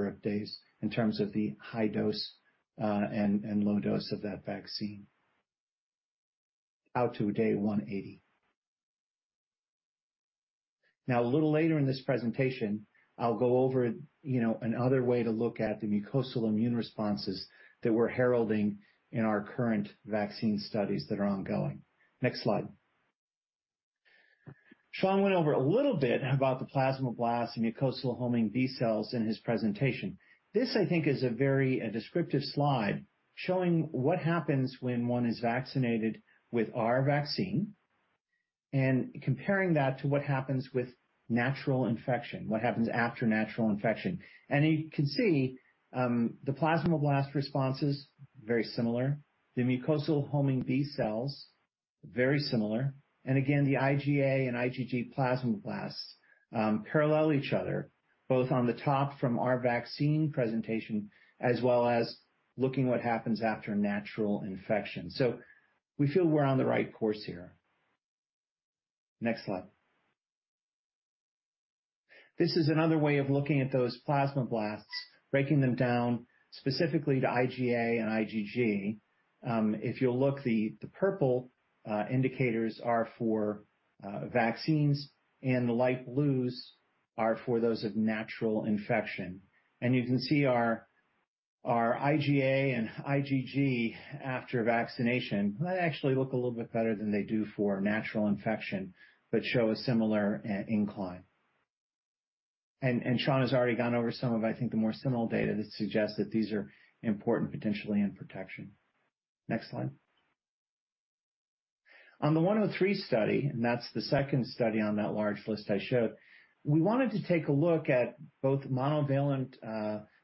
of days in terms of the high dose, and low dose of that vaccine out to day 180. Now, a little later in this presentation, I'll go over, you know, another way to look at the mucosal immune responses that we're heralding in our current vaccine studies that are ongoing. Next slide. Sean went over a little bit about the plasmablast and mucosal homing B cells in his presentation. This, I think, is a very descriptive slide showing what happens when one is vaccinated with our vaccine and comparing that to what happens with natural infection, what happens after natural infection. You can see the plasmablast response is very similar. The mucosal homing B cells, very similar. Again, the IgA and IgG plasmablasts parallel each other, both on the top from our vaccine presentation, as well as looking what happens after natural infection. We feel we're on the right course here. Next slide. This is another way of looking at those plasmablasts, breaking them down specifically to IgA and IgG. If you'll look, the purple indicators are for vaccines and the light blues are for those of natural infection. You can see our IgA and IgG after vaccination might actually look a little bit better than they do for natural infection, but show a similar incline. Sean has already gone over some of, I think, the more similar data that suggests that these are important potentially in protection. Next slide. On the 103 study, and that's the second study on that large list I showed, we wanted to take a look at both monovalent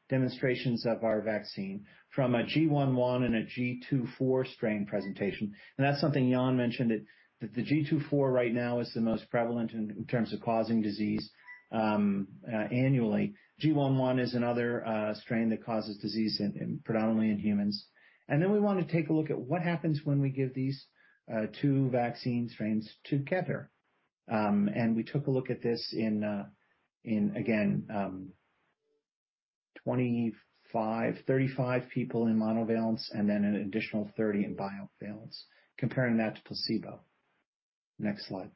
demonstrations of our vaccine from a G1.1 and a G2.4 strain presentation. That's something Jan mentioned, that the G2.4 right now is the most prevalent in terms of causing disease annually. G1.1 is another strain that causes disease in, predominantly in humans. We want to take a look at what happens when we give these two vaccine strains together. We took a look at this in again, 25, 35 people in monovalence and then an additional 30 in bivalence, comparing that to placebo. Next slide.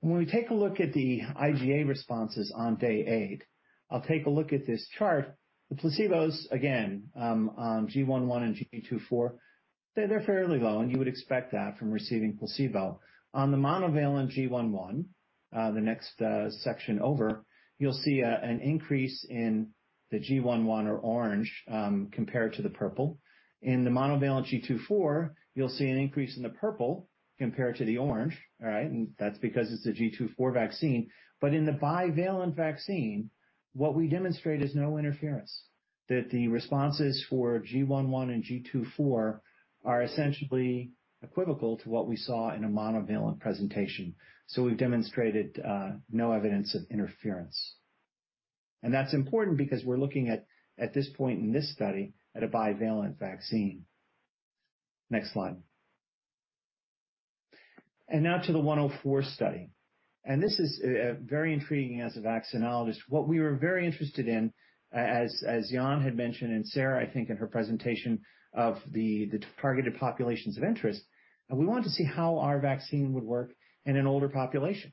When we take a look at the IgA responses on day eight, I'll take a look at this chart. The placebos, again, on G1.1 and G2.4, they're fairly low, and you would expect that from receiving placebo. On the monovalent G1.1, the next section over, you'll see an increase in the G1.1 or orange, compared to the purple. In the monovalent G2.4, you'll see an increase in the purple compared to the orange. All right? That's because it's a GII.4 vaccine. In the bivalent vaccine, what we demonstrate is no interference. The responses for GI.1 and GII.4 are essentially equivalent to what we saw in a monovalent presentation. We've demonstrated no evidence of interference. That's important because we're looking at this point in this study at a bivalent vaccine. Next slide. Now to the 104 study. This is very intriguing as a vaccinologist. What we were very interested in, as Jan had mentioned, and Sarah, I think in her presentation of the targeted populations of interest, and we wanted to see how our vaccine would work in an older population.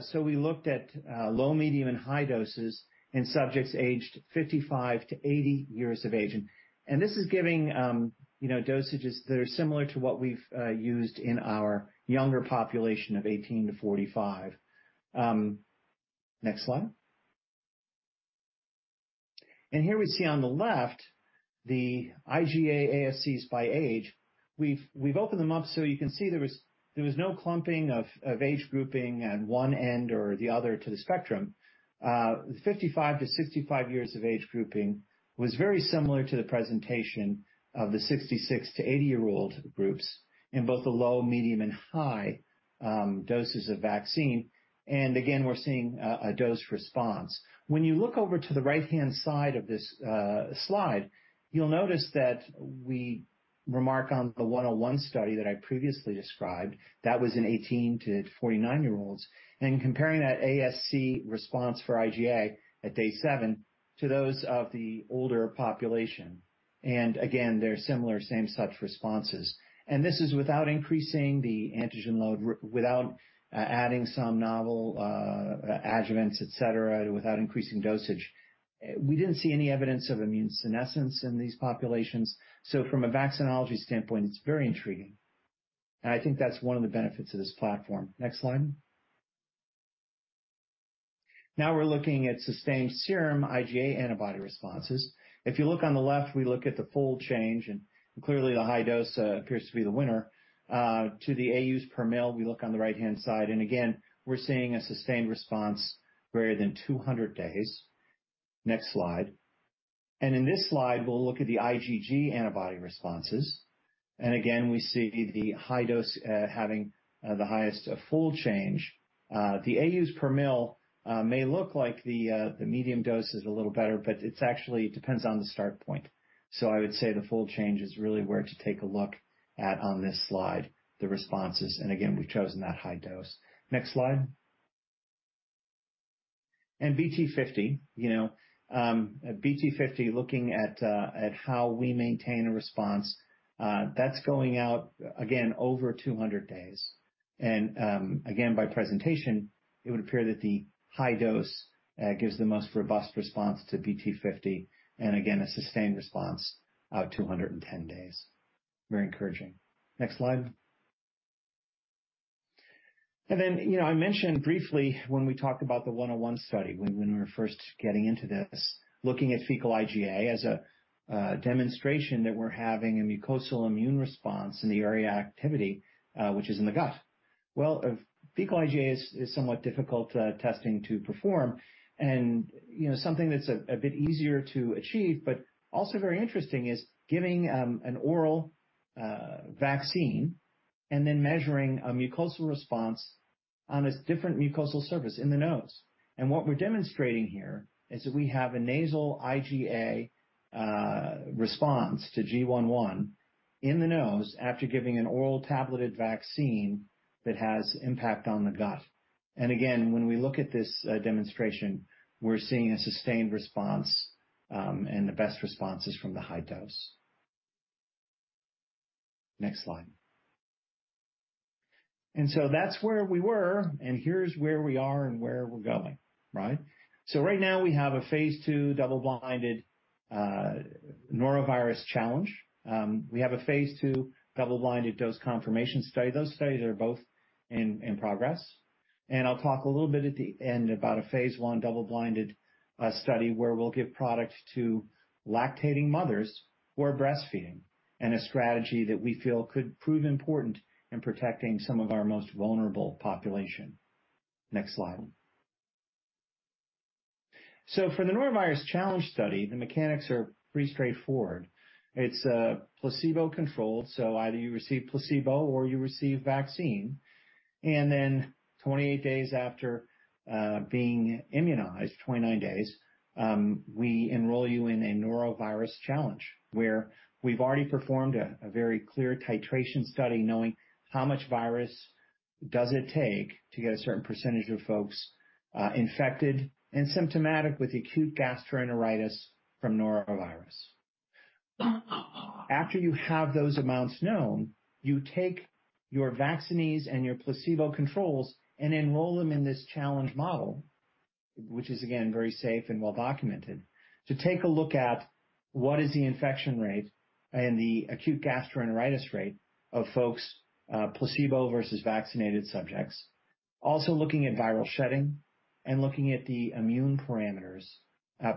So we looked at low, medium, and high doses in subjects aged 55 to 80 years of age. This is giving, you know, dosages that are similar to what we've used in our younger population of 18 to 45. Next slide. Here we see on the left the IgA ASCs by age. We've opened them up so you can see there was no clumping of age grouping at one end or the other to the spectrum. 55 to 65 years of age grouping was very similar to the presentation of the 66 to 80-year-old groups in both the low, medium, and high doses of vaccine. Again, we're seeing a dose response. When you look over to the right-hand side of this slide, you'll notice that we remark on the one-on-one study that I previously described. That was in 18-49-year-olds, comparing that ASC response for IgA at day seven to those of the older population. Again, they're similar, same such responses. This is without increasing the antigen load, without adding some novel adjuvants, et cetera, without increasing dosage. We didn't see any evidence of immunosenescence in these populations. From a vaccinology standpoint, it's very intriguing, and I think that's one of the benefits of this platform. Next slide. We're looking at sustained serum IgA antibody responses. If you look on the left, we look at the fold change, and clearly, the high dose appears to be the winner, to the AU/mL, we look on the right-hand side. Again, we're seeing a sustained response greater than 200 days. Next slide. In this slide, we'll look at the IgG antibody responses. Again, we see the high dose, having the highest fold change. The AUs per mL may look like the medium dose is a little better, but it actually depends on the start point. I would say the fold change is really where to take a look at on this slide, the responses. Again, we've chosen that high dose. Next slide. BT 50, you know, BT 50, looking at how we maintain a response, that's going out, again, over 200 days. Again, by presentation, it would appear that the high dose gives the most robust response to BT 50 and again, a sustained response, out 210 days. Very encouraging. Next slide. You know, I mentioned briefly when we talked about the NVV-101 study, when we were first getting into this, looking at fecal IgA as a demonstration that we're having a mucosal immune response in the area of activity, which is in the gut. A fecal IgA is somewhat difficult testing to perform and, you know, something that's a bit easier to achieve but also very interesting, is giving an oral vaccine and then measuring a mucosal response on a different mucosal surface in the nose. What we're demonstrating here is that we have a nasal IgA response to G1.1 in the nose after giving an oral tablet vaccine that has impact on the gut. When we look at this demonstration, we're seeing a sustained response, and the best response is from the high dose. Next slide. That's where we were, and here's where we are and where we're going, right? Right now, we have a phase II double-blinded norovirus challenge. We have a phase II double-blinded dose confirmation study. Those studies are both in progress. I'll talk a little bit at the end about a phase I double-blinded study where we'll give products to lactating mothers who are breastfeeding, and a strategy that we feel could prove important in protecting some of our most vulnerable population. Next slide. For the norovirus challenge study, the mechanics are pretty straightforward. It's a placebo-controlled, so either you receive placebo or you receive vaccine. 28 days after being immunized, 29 days, we enroll you in a norovirus challenge where we've already performed a very clear titration study, knowing how much virus does it take to get a certain percentage of folks infected and symptomatic with acute gastroenteritis from norovirus. After you have those amounts known, you take your vaccinees and your placebo controls and enroll them in this challenge model, which is, again, very safe and well documented, to take a look at what is the infection rate and the acute gastroenteritis rate of folks placebo versus vaccinated subjects. Looking at viral shedding and looking at the immune parameters,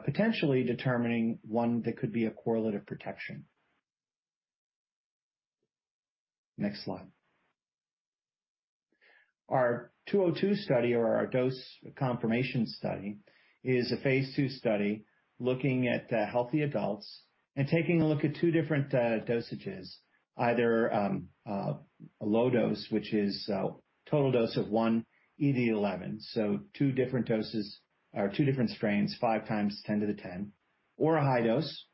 potentially determining one that could be a correlative protection. Next slide. Our 202 study or our dose confirmation study is a phase II study looking at healthy adults and taking a look at two different dosages. Either a low dose, which is a total dose of 1e11. Two different doses or two different strains, 5e10 or a high dose,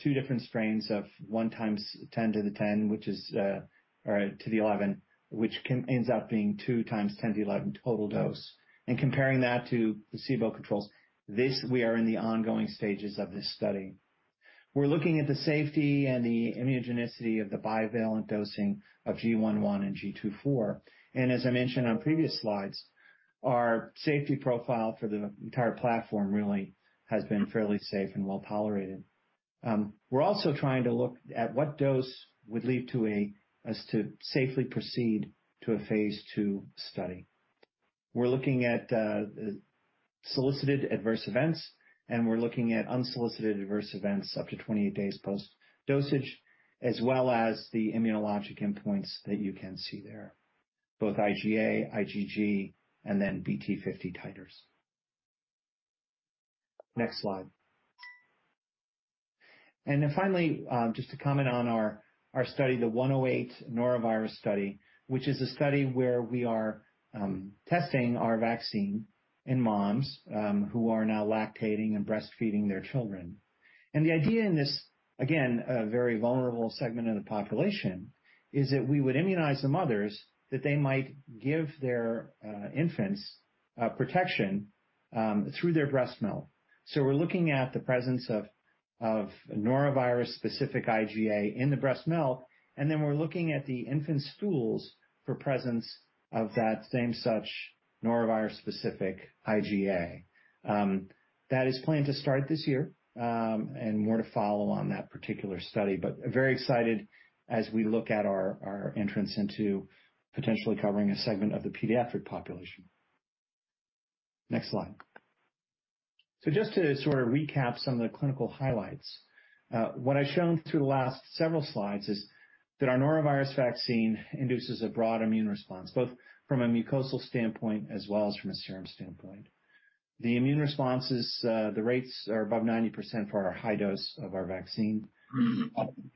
two different strains of 1e10, which is or to the 11, which ends up being 2e11 total dose, and comparing that to placebo controls. This, we are in the ongoing stages of this study. We're looking at the safety and the immunogenicity of the bivalent dosing of G1.1 and G2.4. As I mentioned on previous slides, our safety profile for the entire platform really has been fairly safe and well-tolerated. We're also trying to look at what dose would lead to safely proceed to a phase II study. We're looking at solicited adverse events, we're looking at unsolicited adverse events up to 28 days post dosage, as well as the immunologic endpoints that you can see there, both IgA, IgG, and then BT50 titers. Next slide. Finally, just to comment on our study, the 108 norovirus study, which is a study where we are testing our vaccine in moms, who are now lactating and breastfeeding their children. The idea in this, again, a very vulnerable segment of the population, is that we would immunize the mothers, that they might give their infants protection through their breast milk. We're looking at the presence of norovirus specific IgA in the breast milk, and then we're looking at the infant stools for presence of that same such norovirus specific IgA. That is planned to start this year, and more to follow on that particular study, but very excited as we look at our entrance into potentially covering a segment of the pediatric population. Next slide. Just to sort of recap some of the clinical highlights. What I've shown through the last several slides is that our norovirus vaccine induces a broad immune response, both from a mucosal standpoint as well as from a serum standpoint. The immune responses, the rates are above 90% for our high dose of our vaccine.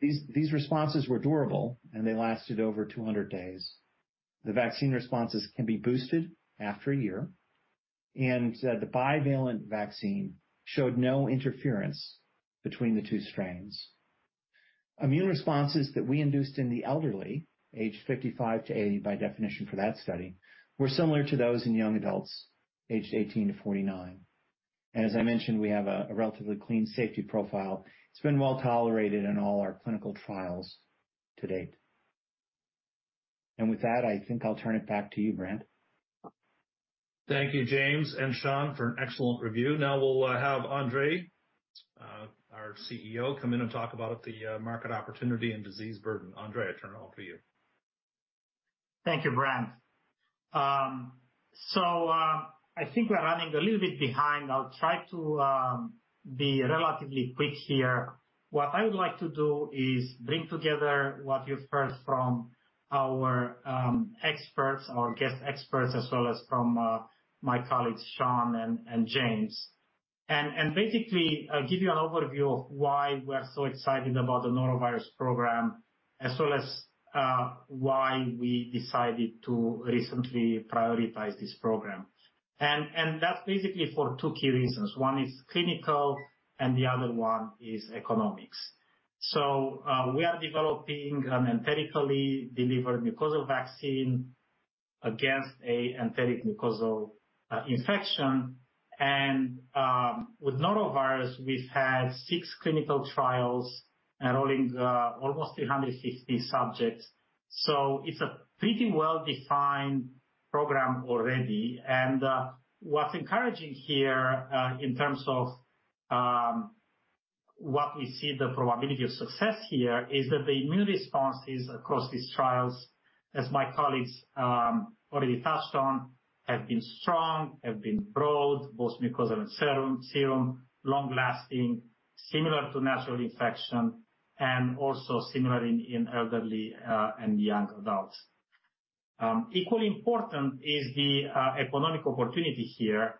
These responses were durable, and they lasted over 200 days. The vaccine responses can be boosted after a year, and the bivalent vaccine showed no interference between the two strains. Immune responses that we induced in the elderly, aged 55 to 80 by definition for that study, were similar to those in young adults aged 18 to 49. As I mentioned, we have a relatively clean safety profile. It's been well-tolerated in all our clinical trials to date. With that, I think I'll turn it back to you, Brant. Thank you, James and Sean, for an excellent review. Now we'll have Andrei, our CEO, come in and talk about the market opportunity and disease burden. Andrei, I turn it over to you. Thank you, Brant. I think we're running a little bit behind. I'll try to be relatively quick here. What I would like to do is bring together what you've heard from our experts, our guest experts, as well as from my colleagues, Sean and James. Basically give you an overview of why we're so excited about the norovirus program as well as why we decided to recently prioritize this program. That's basically for two key reasons. One is clinical, and the other one is economics. We are developing an enterically delivered mucosal vaccine against an enteric mucosal infection. With norovirus, we've had six clinical trials enrolling almost 350 subjects. It's a pretty well-defined program already. What's encouraging here, in terms of what we see the probability of success here is that the immune responses across these trials, as my colleagues already touched on, have been strong, have been broad, both mucosal and serum, long-lasting, similar to natural infection and also similar in elderly and young adults. Equally important is the economic opportunity here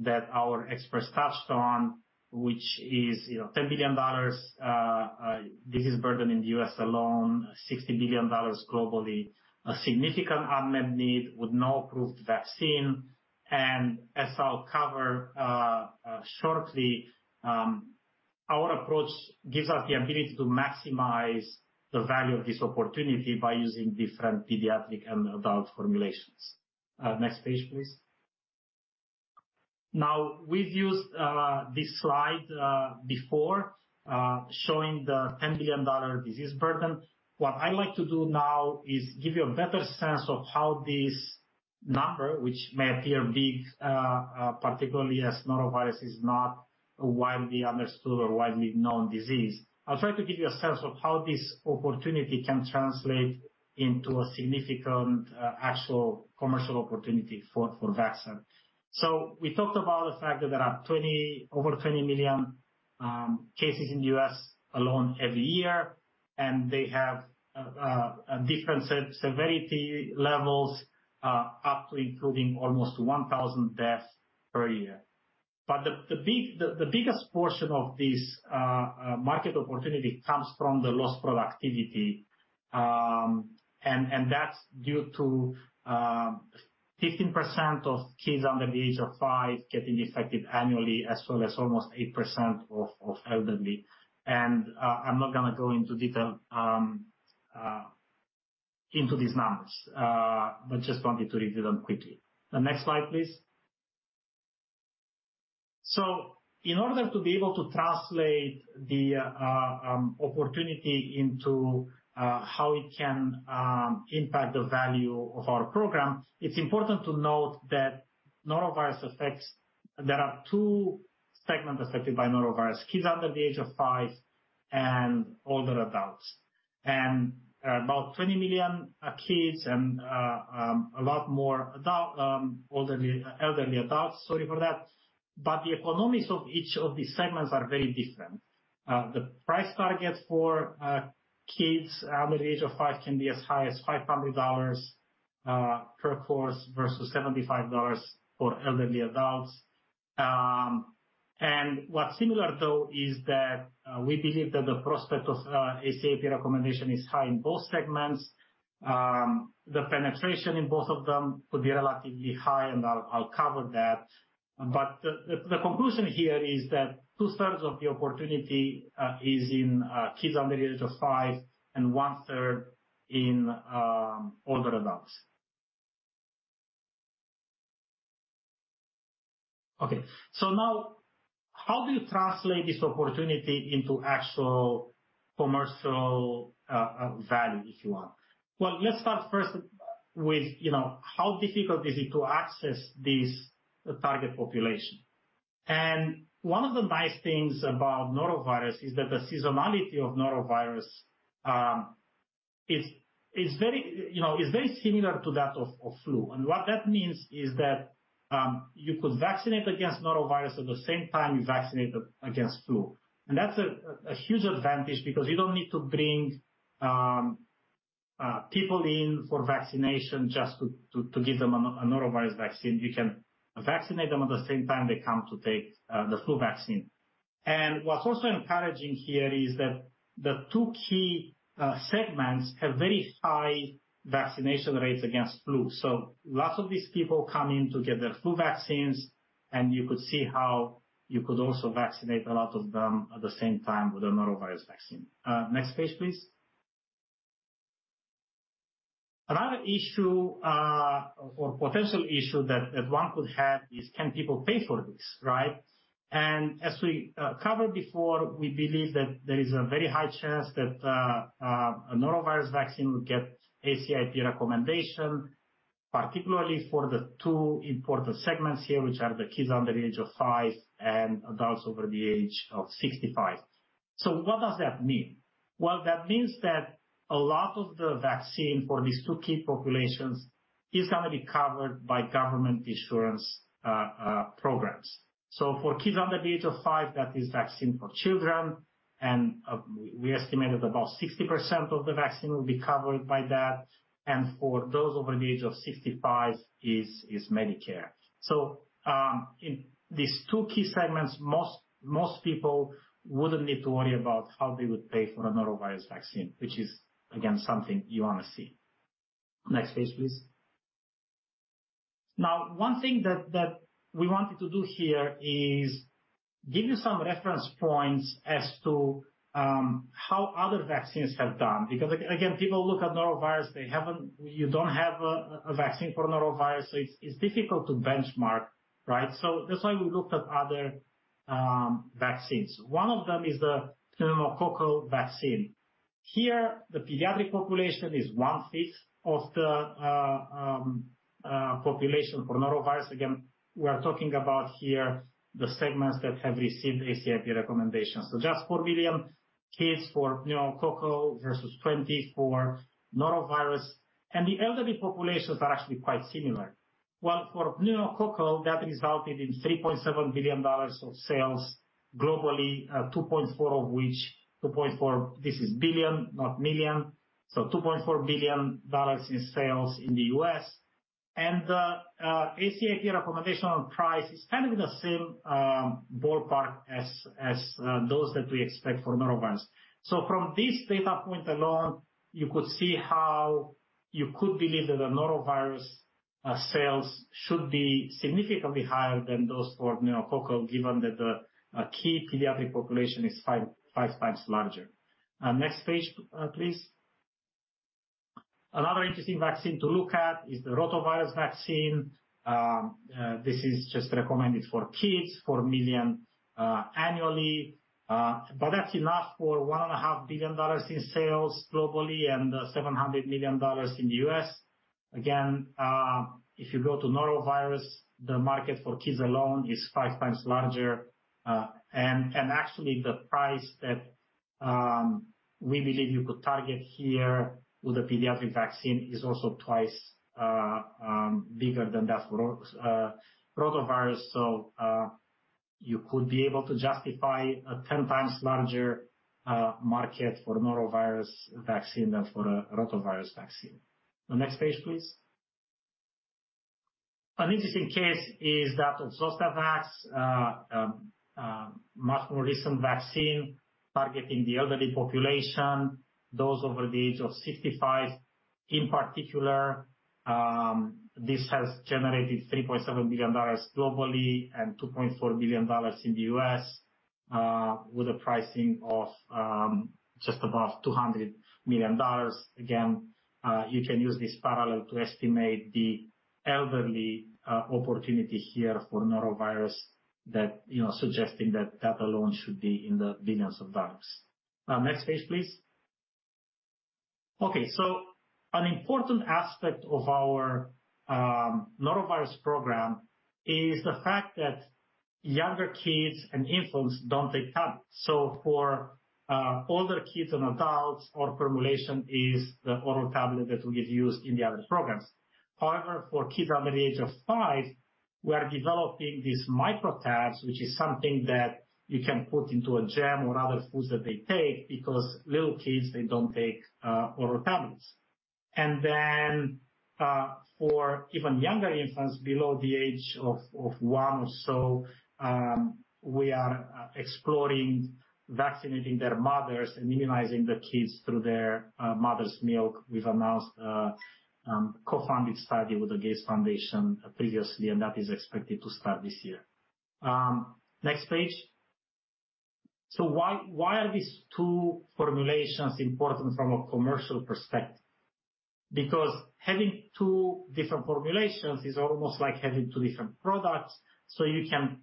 that our experts touched on, which is, you know, $10 billion disease burden in the U.S. alone, $60 billion globally, a significant unmet need with no approved vaccine. As I'll cover shortly, our approach gives us the ability to maximize the value of this opportunity by using different pediatric and adult formulations. Next page, please. We've used this slide before showing the $10 billion disease burden. What I'd like to do now is give you a better sense of how this number, which may appear big, particularly as norovirus is not a widely understood or widely known disease. I'll try to give you a sense of how this opportunity can translate into a significant actual commercial opportunity for vaccine. We talked about the fact that there are over 20 million cases in the U.S. alone every year, and they have different severity levels up to including almost 1,000 deaths per year. The biggest portion of this market opportunity comes from the lost productivity. And that's due to 15% of kids under the age of five getting infected annually, as well as almost 8% of elderly. I'm not gonna go into detail into these numbers, but just wanted to read them quickly. The next slide, please. In order to be able to translate the opportunity into how it can impact the value of our program, it's important to note that norovirus affects, there are two segments affected by norovirus, kids under the age of 5 and older adults. About 20 million are kids and a lot more adult, elderly adults, sorry for that. The economics of each of these segments are very different. The price targets for kids under the age of 5 can be as high as $500. Per course versus $75 for elderly adults. What's similar though is that we believe that the prospect of ACIP recommendation is high in both segments. The penetration in both of them could be relatively high, and I'll cover that. The conclusion here is that 2/3 of the opportunity is in kids under the age of five and 1/3 in older adults. Okay. Now how do you translate this opportunity into actual commercial value, if you want? Well, let's start first with, you know, how difficult is it to access this target population. One of the nice things about norovirus is that the seasonality of norovirus is very, you know, is very similar to that of flu. What that means is that you could vaccinate against norovirus at the same time you vaccinate against flu. That's a huge advantage because you don't need to bring people in for vaccination just to give them a norovirus vaccine. You can vaccinate them at the same time they come to take the flu vaccine. What's also encouraging here is that the two key segments have very high vaccination rates against flu. Lots of these people come in to get their flu vaccines, and you could see how you could also vaccinate a lot of them at the same time with a norovirus vaccine. Next page, please. Another issue or potential issue that one could have is can people pay for this, right? As we covered before, we believe that there is a very high chance that a norovirus vaccine will get ACIP recommendation, particularly for the two important segments here, which are the kids under the age of five and adults over the age of 65. What does that mean? Well, that means that a lot of the vaccine for these two key populations is gonna be covered by government insurance programs. For kids under the age of five, that is Vaccine for Children, and we estimated about 60% of the vaccine will be covered by that. For those over the age of 65 is Medicare. In these two key segments, most people wouldn't need to worry about how they would pay for a norovirus vaccine, which is, again, something you wanna see. Next page, please. One thing that we wanted to do here is give you some reference points as to how other vaccines have done. Again, people look at norovirus, they haven't... You don't have a vaccine for norovirus, so it's difficult to benchmark, right? That's why we looked at other vaccines. One of them is the pneumococcal vaccine. Here, the pediatric population is one-fifth of the population for norovirus. Again, we are talking about here the segments that have received ACIP recommendations. Just 4 million kids for pneumococcal versus 20 for norovirus. The elderly populations are actually quite similar. For pneumococcal, that resulted in $3.7 billion of sales globally, $2.4 billion of which... 2.4, this is billion, not million. $2.4 billion in sales in the U.S. The ACIP recommendation on price is kind of in the same ballpark as those that we expect for norovirus. From this data point alone, you could see how you could believe that the norovirus sales should be significantly higher than those for pneumococcal, given that the key pediatric population is five times larger. Next page, please. Another interesting vaccine to look at is the rotavirus vaccine. This is just recommended for kids, 4 million annually. That's enough for $1.5 billion in sales globally and $700 million in the US. If you go to norovirus, the market for kids alone is five times larger. And actually the price that we believe you could target here with the pediatric vaccine is also two times bigger than that for rotavirus. You could be able to justify a 10 times larger market for norovirus vaccine than for a rotavirus vaccine. The next page, please. An interesting case is that of Zostavax, much more recent vaccine targeting the elderly population, those over the age of 65 in particular. This has generated $3.7 billion globally and $2.4 billion in the U.S., with a pricing of just above $200 million. Again, you can use this parallel to estimate the elderly opportunity here for norovirus that, you know, suggesting that that alone should be in the billions of dollars. Next page, please. Okay. An important aspect of our norovirus program is the fact that younger kids and infants don't take tablets. For older kids and adults, our formulation is the oral tablet that we've used in the other programs. However, for kids under the age of five. We are developing these micro tabs, which is something that you can put into a jam or other foods that they take because little kids, they don't take oral tablets. For even younger infants below the age of one or so, we are exploring vaccinating their mothers and immunizing the kids through their mother's milk. We've announced a co-funded study with the Gates Foundation previously, and that is expected to start this year. Next page. Why are these two formulations important from a commercial perspective? Because having two different formulations is almost like having two different products, so you can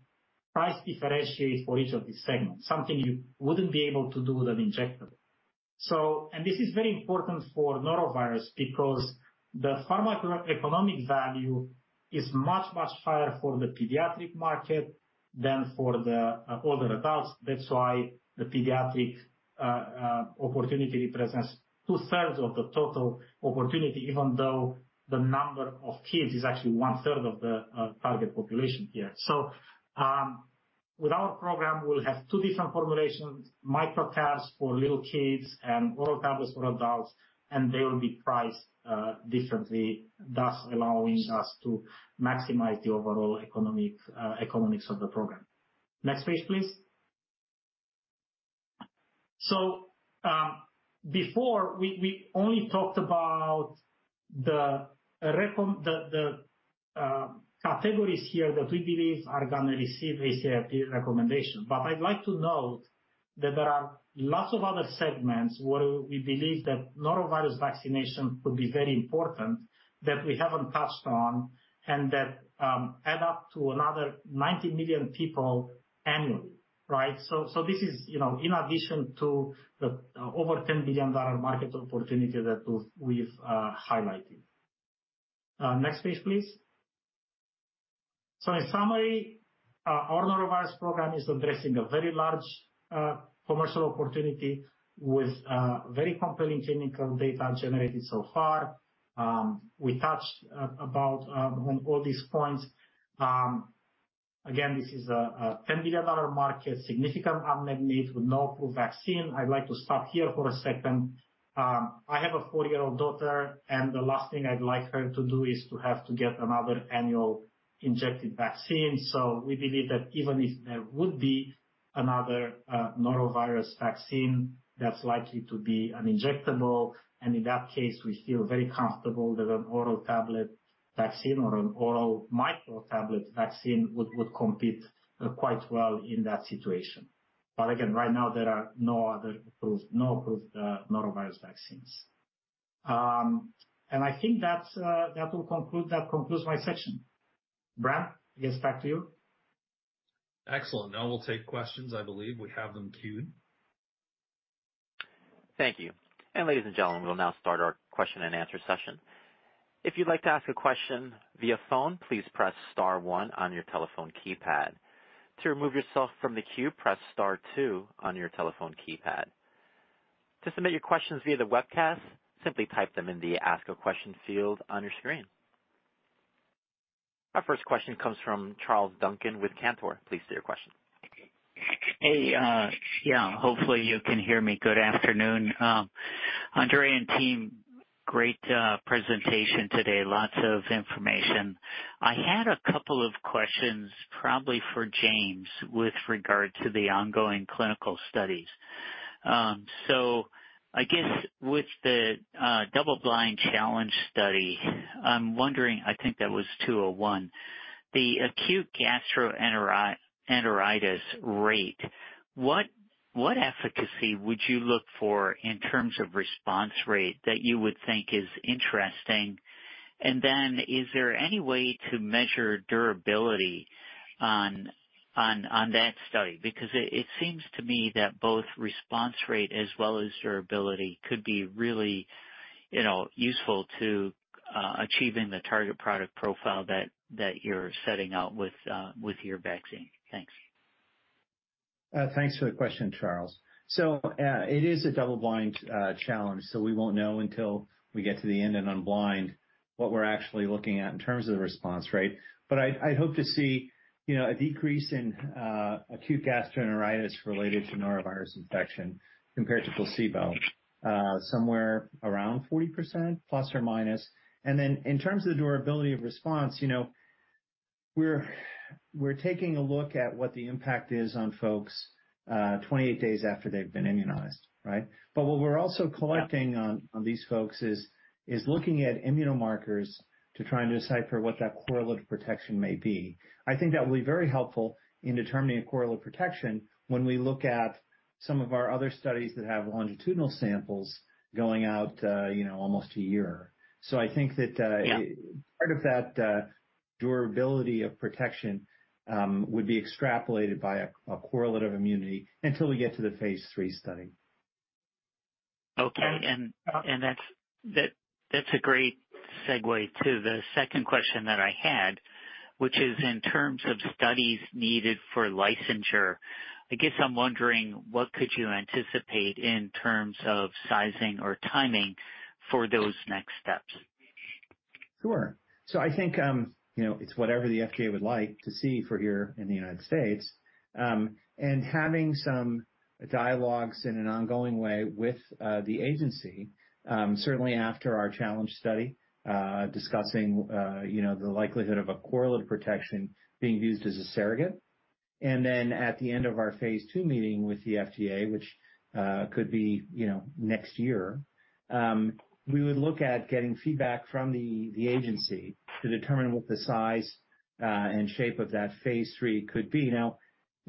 price differentiate for each of these segments, something you wouldn't be able to do with an injectable. This is very important for norovirus because the pharmacoeconomic value is much, much higher for the pediatric market than for the older adults. That's why the pediatric opportunity represents two-thirds of the total opportunity, even though the number of kids is actually one-third of the target population here. With our program, we'll have two different formulations, micro tabs for little kids and oral tablets for adults, and they will be priced differently, thus allowing us to maximize the overall economics of the program. Next page, please. Before we only talked about the categories here that we believe are gonna receive ACIP recommendation. I'd like to note that there are lots of other segments where we believe that norovirus vaccination could be very important that we haven't touched on and that add up to another 90 million people annually, right? This is, you know, in addition to the over $10 billion market opportunity that we've highlighted. Next page, please. In summary, our norovirus program is addressing a very large commercial opportunity with very compelling clinical data generated so far. We touched on all these points. Again, this is a $10 billion market, significant unmet need with no approved vaccine. I'd like to stop here for a second. I have a four-year-old daughter, the last thing I'd like her to do is to have to get another annual injected vaccine. We believe that even if there would be another norovirus vaccine, that's likely to be an injectable. In that case, we feel very comfortable that an oral tablet vaccine or an oral micro tablet vaccine would compete quite well in that situation. Again, right now there are no other approved, no approved norovirus vaccines. I think that's that concludes my section. Brant, I guess back to you. Excellent. Now we'll take questions. I believe we have them queued. Thank you. Ladies and gentlemen, we'll now start our question and answer session. If you'd like to ask a question via phone, please press star one on your telephone keypad. To remove yourself from the queue, press star two on your telephone keypad. To submit your questions via the webcast, simply type them in the ask a question field on your screen. Our first question comes from Charles Duncan with Cantor. Please state your question. Hey, yeah, hopefully you can hear me. Good afternoon. Andrei and team, great presentation today. Lots of information. I had a couple of questions probably for James with regard to the ongoing clinical studies. I guess with the double blind challenge study, I'm wondering, I think that was 201, the acute gastroenteritis rate, what efficacy would you look for in terms of response rate that you would think is interesting? Then is there any way to measure durability on that study? Because it seems to me that both response rate as well as durability could be really, you know, useful to achieving the target product profile that you're setting out with your vaccine. Thanks. Thanks for the question, Charles. It is a double blind challenge, so we won't know until we get to the end and unblind what we're actually looking at in terms of the response rate. I'd hope to see, you know, a decrease in acute gastroenteritis related to norovirus infection compared to placebo, somewhere around 40% ±. In terms of the durability of response, you know, we're taking a look at what the impact is on folks 28 days after they've been immunized, right? What we're also collecting on these folks is looking at immunomarkers to try and decipher what that correlative protection may be. I think that will be very helpful in determining a correlative protection when we look at some of our other studies that have longitudinal samples going out, you know, almost a year. I think that. Yeah. Part of that, durability of protection, would be extrapolated by a correlative immunity until we get to the phase III study. Okay. That's a great segue to the second question that I had, which is in terms of studies needed for licensure, I guess I'm wondering what could you anticipate in terms of sizing or timing for those next steps? Sure. I think, you know, it's whatever the FDA would like to see for here in the United States. Having some dialogues in an ongoing way with the agency, certainly after our challenge study, discussing, you know, the likelihood of a correlate protection being used as a surrogate. At the end of our phase II meeting with the FDA, which could be, you know, next year, we would look at getting feedback from the agency to determine what the size and shape of that phase III could be.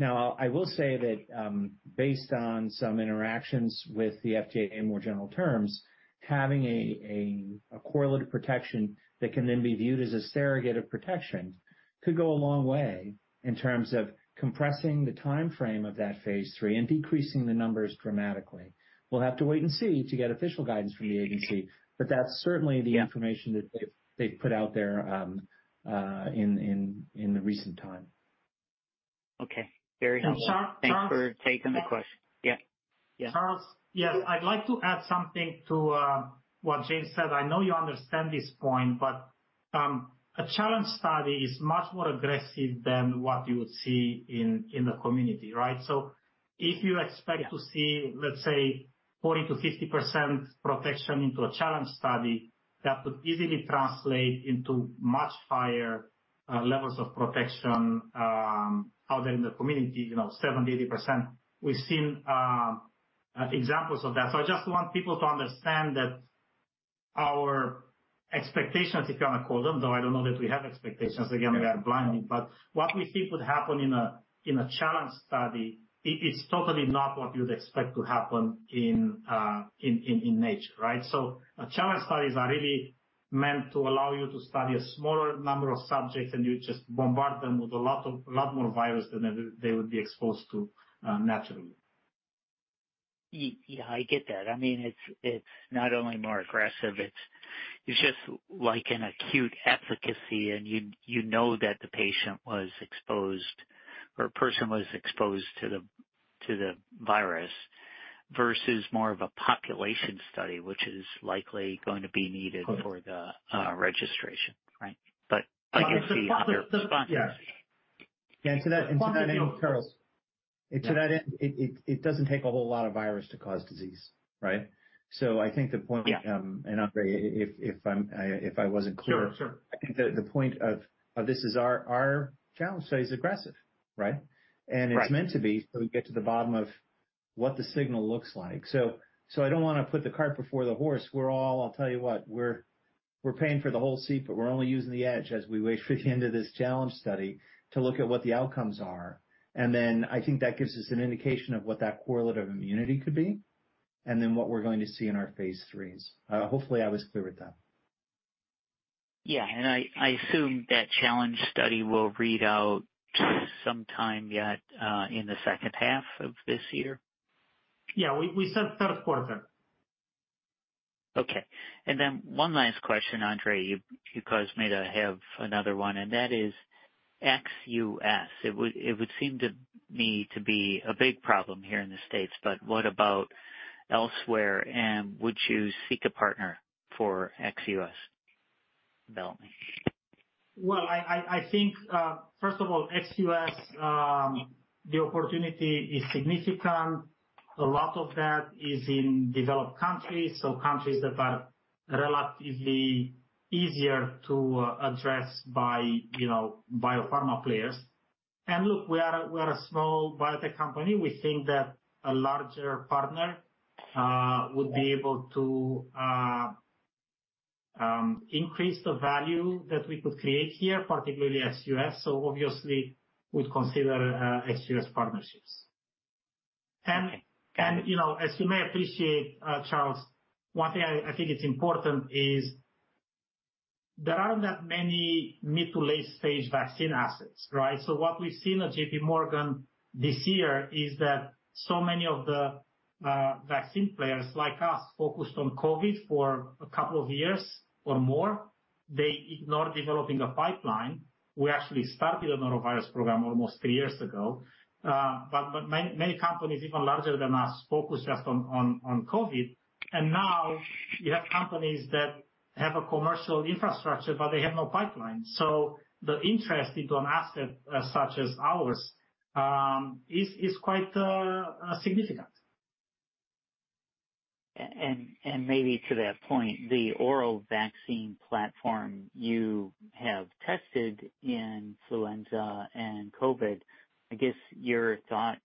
I will say that, based on some interactions with the FDA in more general terms, having a correlative protection that can then be viewed as a surrogate of protection could go a long way in terms of compressing the timeframe of that phase III and decreasing the numbers dramatically. We'll have to wait and see to get official guidance from the agency. That's certainly the information that they've put out there in recent time. Okay. Very helpful. Charles. Thanks for taking the question. Yeah. Yeah. Charles. Yes, I'd like to add something to what James said. I know you understand this point, but a challenge study is much more aggressive than what you would see in the community, right? If you expect to see, let's say, 40% to 50% protection into a challenge study, that could easily translate into much higher levels of protection out there in the community, you know, 70%, 80%. We've seen examples of that. I just want people to understand that our expectations, if you wanna call them, though I don't know that we have expectations, again, we are blindly. What we see could happen in a challenge study is totally not what you'd expect to happen in nature, right? Challenge studies are really meant to allow you to study a smaller number of subjects, and you just bombard them with a lot of, lot more virus than they would be exposed to, naturally. Yeah, I get that. I mean, it's not only more aggressive, it's just like an acute efficacy, and you know that the patient was exposed or a person was exposed to the virus versus more of a population study, which is likely going to be needed. Correct. for the, registration, right? I can see other responses. Yeah. to that end, Charles, and to that end, it doesn't take a whole lot of virus to cause disease, right? I think the point, and Andre, if I'm, if I wasn't clear. Sure. Sure. I think the point of this is our challenge study is aggressive, right? Right. It's meant to be, so we get to the bottom of what the signal looks like. I don't wanna put the cart before the horse. I'll tell you what, we're paying for the whole seat, but we're only using the edge as we wait for the end of this challenge study to look at what the outcomes are. I think that gives us an indication of what that correlate of immunity could be, and then what we're going to see in our phase III. Hopefully, I was clear with that. Yeah. I assume that challenge study will read out sometime yet in the second half of this year. Yeah. We said third quarter. Okay. Then one last question, Andre. You caused me to have another one, and that is ex-US. It would seem to me to be a big problem here in the States. What about elsewhere? Would you seek a partner for ex-US development? Well, I think, first of all, ex-US, the opportunity is significant. A lot of that is in developed countries, so countries that are relatively easier to address by, you know, biopharma players. Look, we are a small biotech company. We think that a larger partner would be able to increase the value that we could create here, particularly ex-US, so obviously would consider ex-US partnerships. You know, as you may appreciate, Charles Duncan, one thing I think is important is there aren't that many mid to late stage vaccine assets, right? What we've seen at JP Morgan this year is that so many of the vaccine players like us focused on COVID for a couple of years or more. They ignored developing a pipeline. We actually started a norovirus program almost three years ago. But many companies, even larger than us, focused just on COVID. Now you have companies that have a commercial infrastructure, but they have no pipeline. The interest into an asset such as ours is quite significant. Maybe to that point, the oral vaccine platform you have tested in influenza and COVID, I guess your thought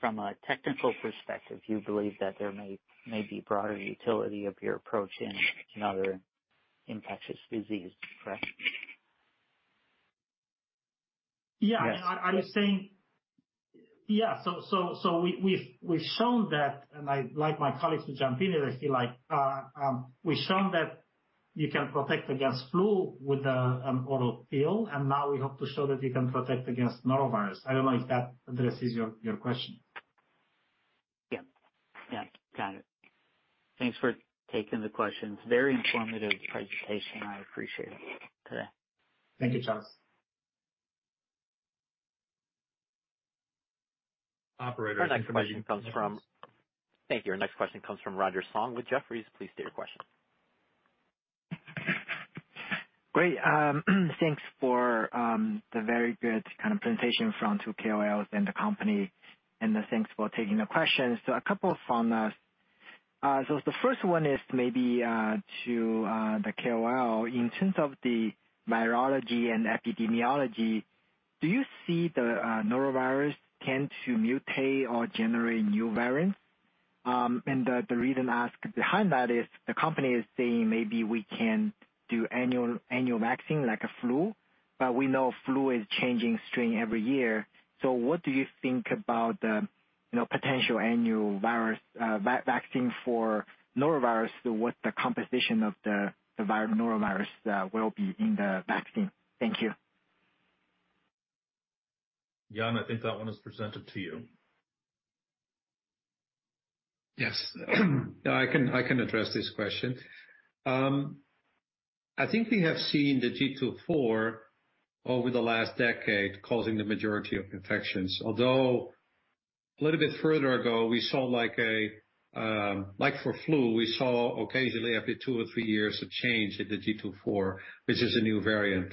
from a technical perspective, you believe that there may be broader utility of your approach in other infectious disease, correct? Yeah. Yes. I was saying. Yeah. We've shown that, and I'd like my colleagues to jump in if they feel like. We've shown that you can protect against flu with an oral pill, and now we hope to show that you can protect against norovirus. I don't know if that addresses your question. Yeah. Yeah. Got it. Thanks for taking the questions. Very informative presentation. I appreciate it. Okay. Thank you, Charles. Operator, next question comes. Thank you. Our next question comes from Roger Song with Jefferies. Please state your question. Great. Thanks for the very good kind of presentation from two KOLs and the company, thanks for taking the questions. A couple from us. The first one is maybe to the KOL. In terms of the virology and epidemiology, do you see the norovirus tend to mutate or generate new variants? The reason ask behind that is the company is saying maybe we can do annual vaccine like a flu, but we know flu is changing strain every year. What do you think about the, you know, potential annual virus vaccine for norovirus? What the composition of the virus, norovirus, will be in the vaccine? Thank you. Jan, I think that one is presented to you. Yes. I can address this question. I think we have seen the GII.4 over the last decade causing the majority of infections. Although a little bit further ago, we saw like a, like for flu, we saw occasionally after two or three years, a change in the GII.4, which is a new variant,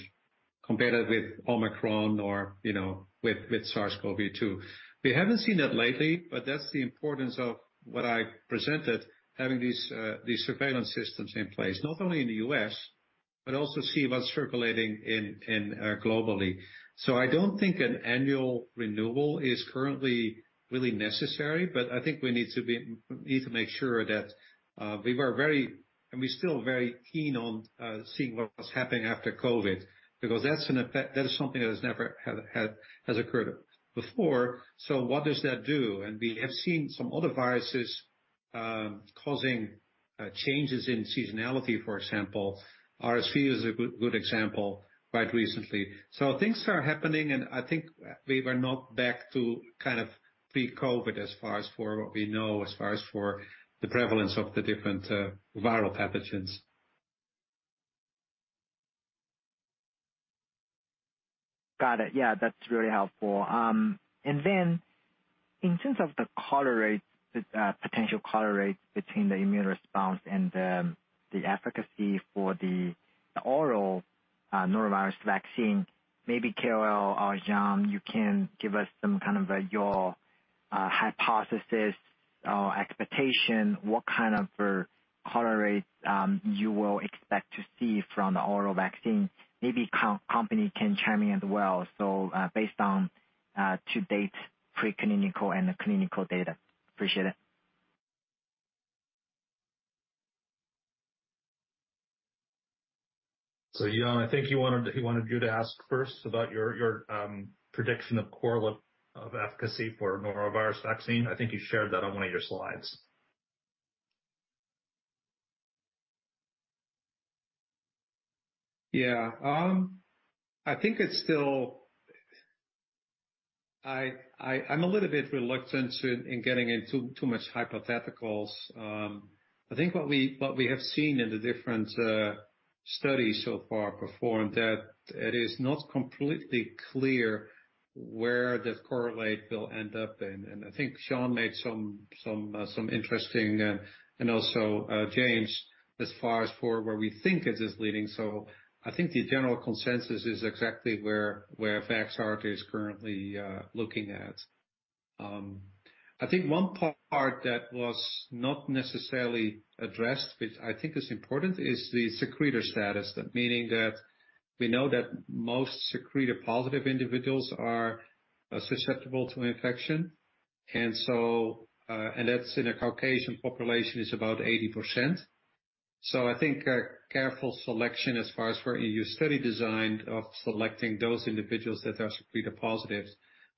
compare that with Omicron or, you know, with SARS-CoV-2. We haven't seen that lately, that's the importance of what I presented, having these surveillance systems in place, not only in the U.S., but also see what's circulating in globally. I don't think an annual renewal is currently really necessary, but I think we need to make sure that we were very and we still very keen on seeing what was happening after COVID, because that is something that has never has occurred before. What does that do? We have seen some other viruses causing changes in seasonality. For example, RSV is a good example quite recently. Things are happening, and I think we were not back to kind of pre-COVID as far as for what we know, as far as for the prevalence of the different viral pathogens. Got it. Yeah, that's really helpful. In terms of the correlate, the potential correlate between the immune response and the efficacy for the oral norovirus vaccine, maybe KOL or Jan, you can give us some kind of your hypothesis or expectation, what kind of correlate you will expect to see from the oral vaccine? Maybe co-company can chime in as well, so, based on to date pre-clinical and the clinical data. Appreciate it. Jan, I think he wanted you to ask first about your prediction of correlate of efficacy for norovirus vaccine. I think you shared that on one of your slides. Yeah. I think it's still. I'm a little bit reluctant to get into too much hypotheticals. I think what we have seen in the different studies so far performed, that it is not completely clear where this correlate will end up. I think Sean made some interesting, and also James, as far as for where we think it is leading. I think the general consensus is exactly where Vaxart is currently looking at. I think one part that was not necessarily addressed, which I think is important, is the secretor status. Meaning that we know that most secretor positive individuals are susceptible to infection. That's in a Caucasian population is about 80%. I think a careful selection as far as for your study design of selecting those individuals that are secretor positives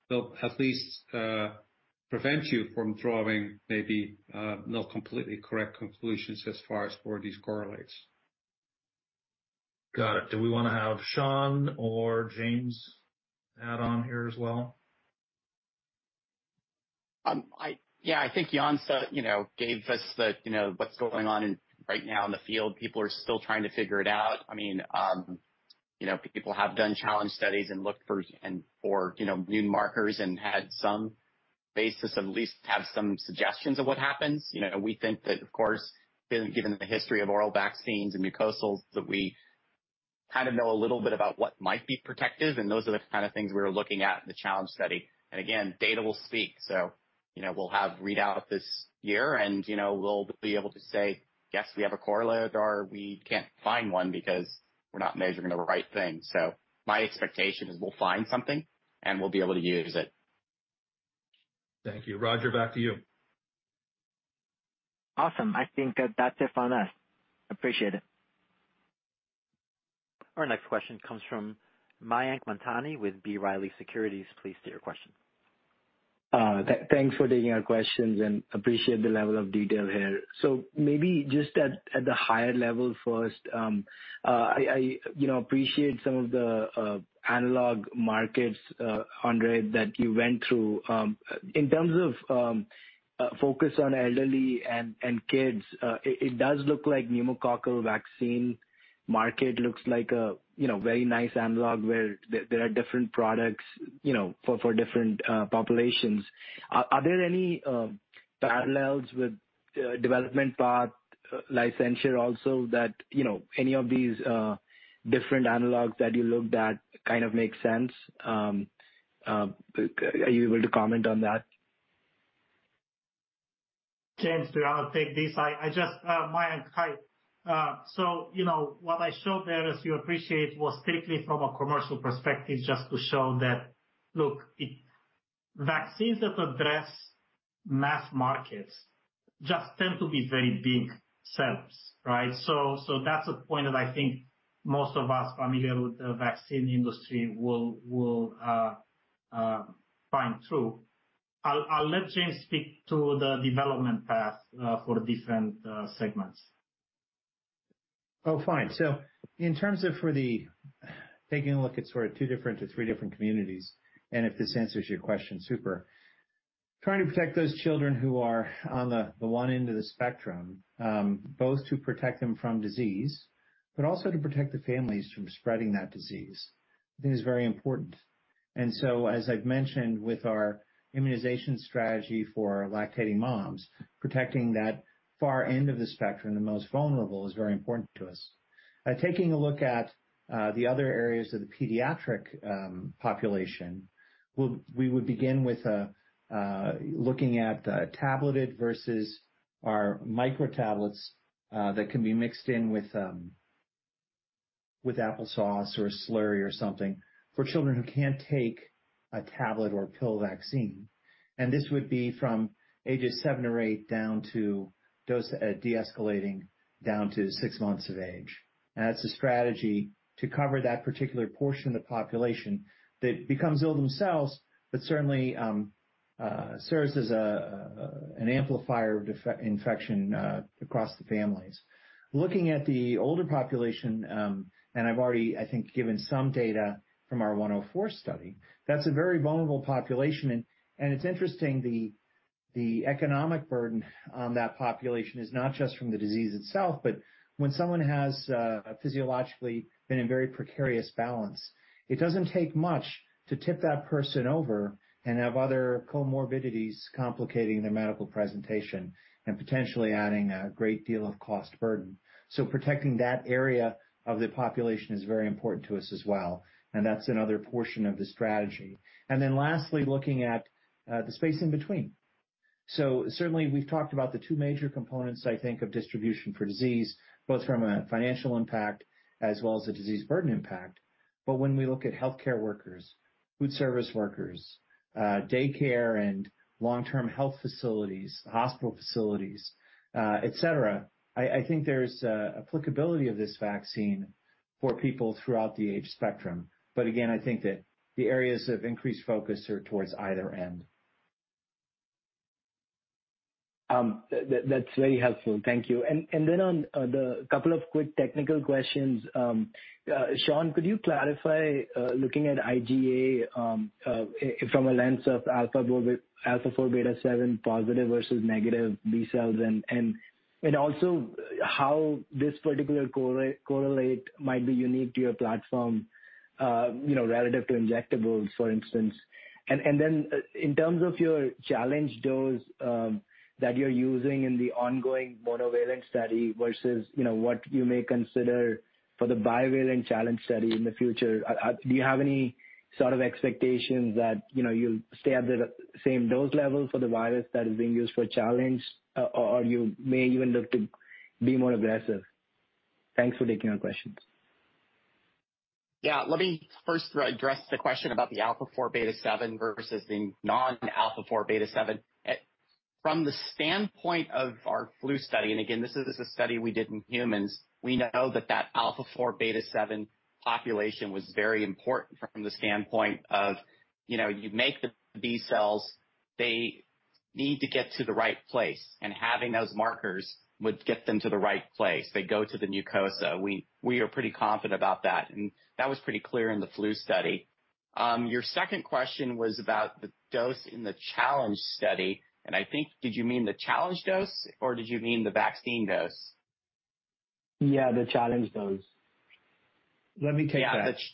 will at least prevent you from drawing maybe not completely correct conclusions as far as for these correlates. Got it. Do we wanna have Sean or James add on here as well? I, yeah, I think Jan, you know, gave us the, you know, what's going on in right now in the field. People are still trying to figure it out. I mean, you know, people have done challenge studies and looked for, you know, new markers and had some basis at least to have some suggestions of what happens. You know, we think that, of course, given the history of oral vaccines and mucosal, that we kind of know a little bit about what might be protective, and those are the kind of things we're looking at in the challenge study. Again, data will speak. You know, we'll have readout this year and, you know, we'll be able to say, "Yes, we have a correlate," or, "We can't find one because we're not measuring the right thing." My expectation is we'll find something, and we'll be able to use it. Thank you. Roger, back to you. Awesome. I think that's it from us. Appreciate it. Our next question comes from Mayank Mamtani with B. Riley Securities. Please state your question. Thanks for taking our questions and appreciate the level of detail here. Maybe just at the higher level first, I, you know, appreciate some of the analog markets, Andre, that you went through. In terms of focus on elderly and kids, it does look like pneumococcal vaccine market looks like a, you know, very nice analog where there are different products, you know, for different populations. Are there any parallels with development path, licensure also that, you know, any of these different analogs that you looked at kind of make sense? Are you able to comment on that? James, do you want to take this? I just, Mayank, hi. You know, what I showed there, as you appreciate, was strictly from a commercial perspective, just to show that look, vaccines that address mass markets just tend to be very big sells, right? That's a point that I think most of us familiar with the vaccine industry will find true. I'll let James speak to the development path for different segments. Fine. In terms of, for the taking a look at sort of two different to three different communities, and if this answers your question, super. Trying to protect those children who are on the one end of the spectrum, both to protect them from disease but also to protect the families from spreading that disease, I think is very important. As I've mentioned with our immunization strategy for lactating moms, protecting that far end of the spectrum, the most vulnerable, is very important to us. By taking a look at the other areas of the pediatric population, we would begin with looking at tableted versus our micro tablets that can be mixed in with applesauce or a slurry or something for children who can't take a tablet or a pill vaccine. This would be from ages seven or eight down to dose, de-escalating down to six months of age. That's a strategy to cover that particular portion of the population that becomes ill themselves, but certainly, serves as an amplifier of infection across the families. Looking at the older population, and I've already, I think, given some data from our 104 study, that's a very vulnerable population. It's interesting, the economic burden on that population is not just from the disease itself, but when someone has physiologically been in very precarious balance, it doesn't take much to tip that person over and have other comorbidities complicating their medical presentation and potentially adding a great deal of cost burden. Protecting that area of the population is very important to us as well, and that's another portion of the strategy. Lastly, looking at the space in between. Certainly, we've talked about the two major components, I think, of distribution for disease, both from a financial impact as well as a disease burden impact. When we look at healthcare workers, food service workers, daycare and long-term health facilities, hospital facilities, etc., I think there's applicability of this vaccine for people throughout the age spectrum. Again, I think that the areas of increased focus are towards either end. That's very helpful. Thank you. Then on the couple of quick technical questions. Sean, could you clarify, looking at IgA from a lens of alpha-4 beta-7 positive versus negative B cells? Also how this particular correlate might be unique to your platform, you know, relative to injectables, for instance. Then in terms of your challenge dose, that you're using in the ongoing monovalent study versus, you know, what you may consider for the bivalent challenge study in the future, do you have any sort of expectations that, you know, you'll stay at the same dose level for the virus that is being used for challenge? Or you may even look to be more aggressive? Thanks for taking our questions. Yeah. Let me first address the question about the alpha-4 beta-7 versus the non-alpha-4 beta-7. From the standpoint of our flu study, and again, this is a study we did in humans, we know that that alpha-4 beta-7 population was very important from the standpoint of, you know, you make the B cells, they need to get to the right place, and having those markers would get them to the right place. They go to the mucosa. We are pretty confident about that, and that was pretty clear in the flu study. Your second question was about the dose in the challenge study. I think, did you mean the challenge dose or did you mean the vaccine dose? Yeah, the challenge dose. Let me take that. Yeah, that's-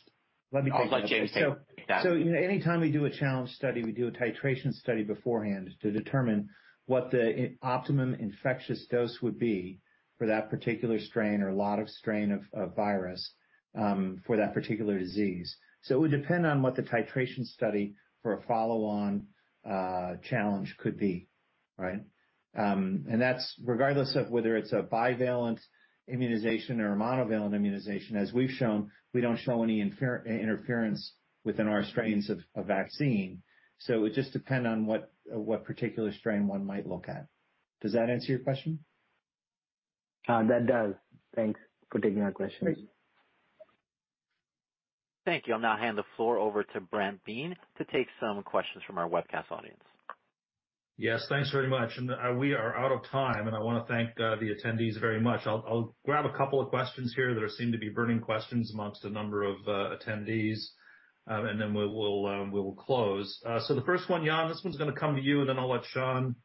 Let me take that. I'll let James take that. You know, anytime we do a challenge study, we do a titration study beforehand to determine what the optimum infectious dose would be for that particular strain or lot of strain of virus for that particular disease. It would depend on what the titration study for a follow on challenge could be, right? And that's regardless of whether it's a bivalent immunization or a monovalent immunization. As we've shown, we don't show any interference within our strains of vaccine, it would just depend on what particular strain one might look at. Does that answer your question? That does. Thanks for taking our questions. Great. Thank you. I'll now hand the floor over to Brant Biehn to take some questions from our webcast audience. Yes, thanks very much. We are out of time, and I wanna thank the attendees very much. I'll grab a couple of questions here that are seem to be burning questions amongst a number of attendees, and then we'll close. The first one, Jan, this one's gonna come to you, and then I'll let Sean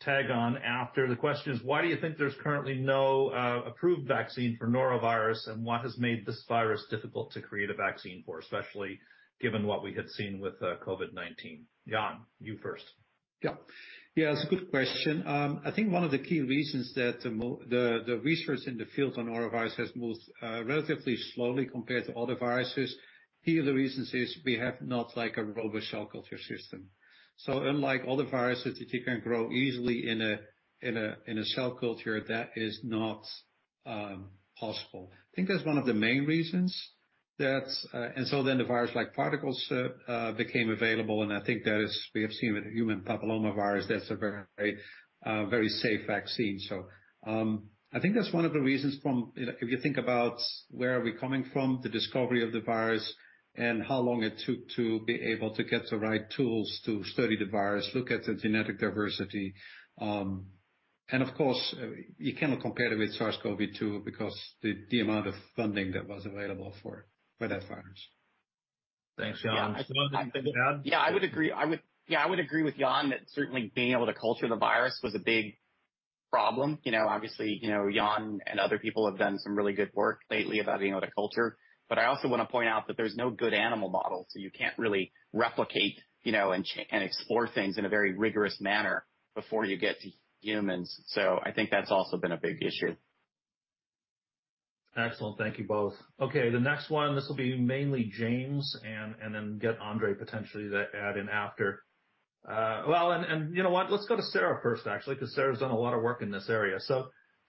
tag on after. The question is, why do you think there's currently no approved vaccine for norovirus? What has made this virus difficult to create a vaccine for, especially given what we had seen with COVID-19? Jan, you first. Yeah. Yeah, it's a good question. I think one of the key reasons that the research in the field on norovirus has moved relatively slowly compared to other viruses. Key of the reasons is we have not like a robust cell culture system. Unlike other viruses that you can grow easily in a cell culture, that is not... Possible. I think that's one of the main reasons that's. Then the virus-like particles became available, and I think we have seen with the human papillomavirus, that's a very safe vaccine. I think that's one of the reasons from, you know, if you think about where are we coming from, the discovery of the virus and how long it took to be able to get the right tools to study the virus, look at the genetic diversity. Of course, you cannot compare it with SARS-CoV-2 because the amount of funding that was available for that virus. Thanks, Jan. Sean, did you want to add? I would agree. I would agree with Jan Vinjé that certainly being able to culture the virus was a big problem. You know, obviously, you know, Jan Vinjé and other people have done some really good work lately about being able to culture. I also wanna point out that there's no good animal model, so you can't really replicate, you know, and explore things in a very rigorous manner before you get to humans. I think that's also been a big issue. Excellent. Thank you both. The next one, this will be mainly James, and then get Andrei potentially to add in after. Well, and you know what? Let's go to Sarah first, actually, 'cause Sarah's done a lot of work in this area.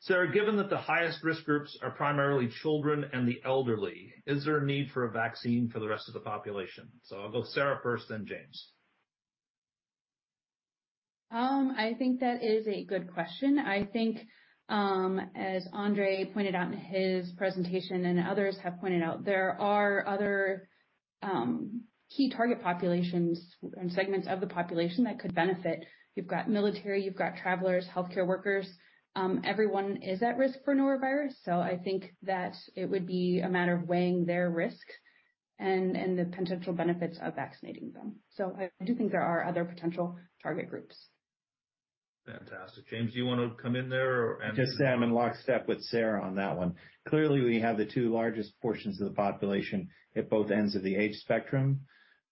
Sarah, given that the highest risk groups are primarily children and the elderly, is there a need for a vaccine for the rest of the population? I'll go Sarah first, then James. I think that is a good question. I think, as Andrei pointed out in his presentation and others have pointed out, there are other, key target populations and segments of the population that could benefit. You've got military, you've got travelers, healthcare workers, everyone is at risk for norovirus, so I think that it would be a matter of weighing their risk and the potential benefits of vaccinating them. I do think there are other potential target groups. Fantastic. James, do you wanna come in there or... I'm in lockstep with Sarah on that one. Clearly, we have the two largest portions of the population at both ends of the age spectrum,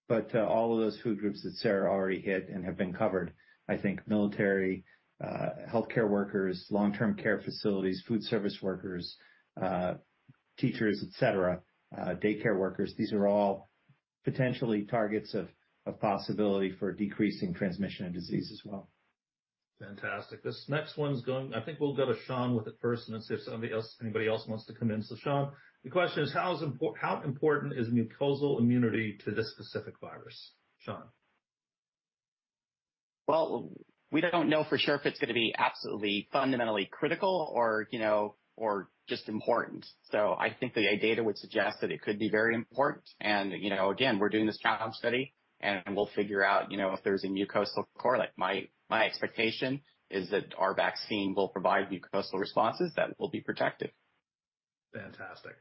all of those food groups that Sarah already hit and have been covered, I think military, healthcare workers, long-term care facilities, food service workers, teachers, et cetera, daycare workers, these are all potentially targets of possibility for decreasing transmission of disease as well. Fantastic. I think we'll go to Sean with it first and then see if somebody else, anybody else wants to come in. Sean, the question is, how important is mucosal immunity to this specific virus? Sean. Well, we don't know for sure if it's gonna be absolutely fundamentally critical or, you know, or just important. I think the data would suggest that it could be very important. You know, again, we're doing this challenge study, and we'll figure out, you know, if there's a mucosal correlate. My expectation is that our vaccine will provide mucosal responses that will be protective. Fantastic.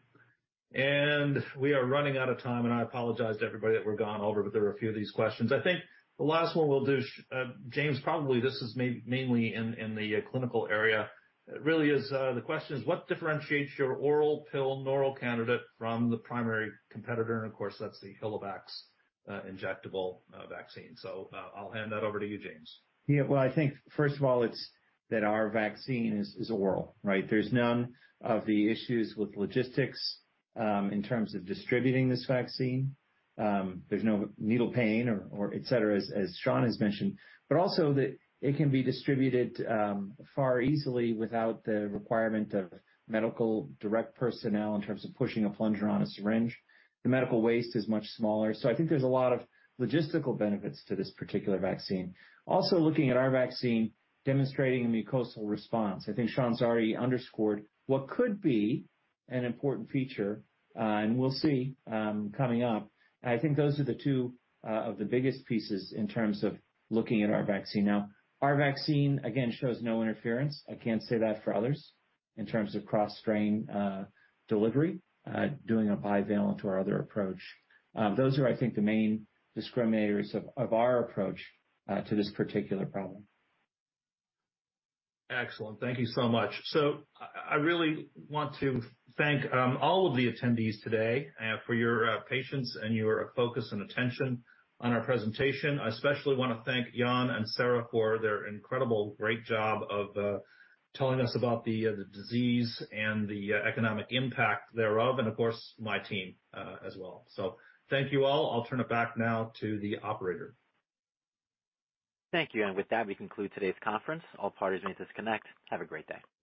We are running out of time, and I apologize to everybody that we're gone over, but there are a few of these questions. I think the last one we'll do, James, probably this is mainly in the clinical area. It really is, the question is, what differentiates your oral pill norovirus candidate from the primary competitor? Of course, that's the HilleVax injectable vaccine. I'll hand that over to you, James. Well, I think first of all, it's that our vaccine is oral, right? There's none of the issues with logistics in terms of distributing this vaccine. There's no needle pain or etcetera, as Sean has mentioned, but also that it can be distributed far easily without the requirement of medical direct personnel in terms of pushing a plunger on a syringe. The medical waste is much smaller. I think there's a lot of logistical benefits to this particular vaccine. Also, looking at our vaccine demonstrating a mucosal response. I think Sean's already underscored what could be an important feature, and we'll see coming up. I think those are the two of the biggest pieces in terms of looking at our vaccine. Now, our vaccine, again, shows no interference. I can't say that for others in terms of cross-strain, delivery, doing a bivalent to our other approach. Those are, I think, the main discriminators of our approach to this particular problem. Excellent. Thank you so much. I really want to thank all of the attendees today for your patience and your focus and attention on our presentation. I especially want to thank Jan and Sarah for their incredible great job of telling us about the disease and the economic impact thereof, and of course, my team as well. Thank you all. I'll turn it back now to the operator. Thank you. With that, we conclude today's conference. All parties may disconnect. Have a great day.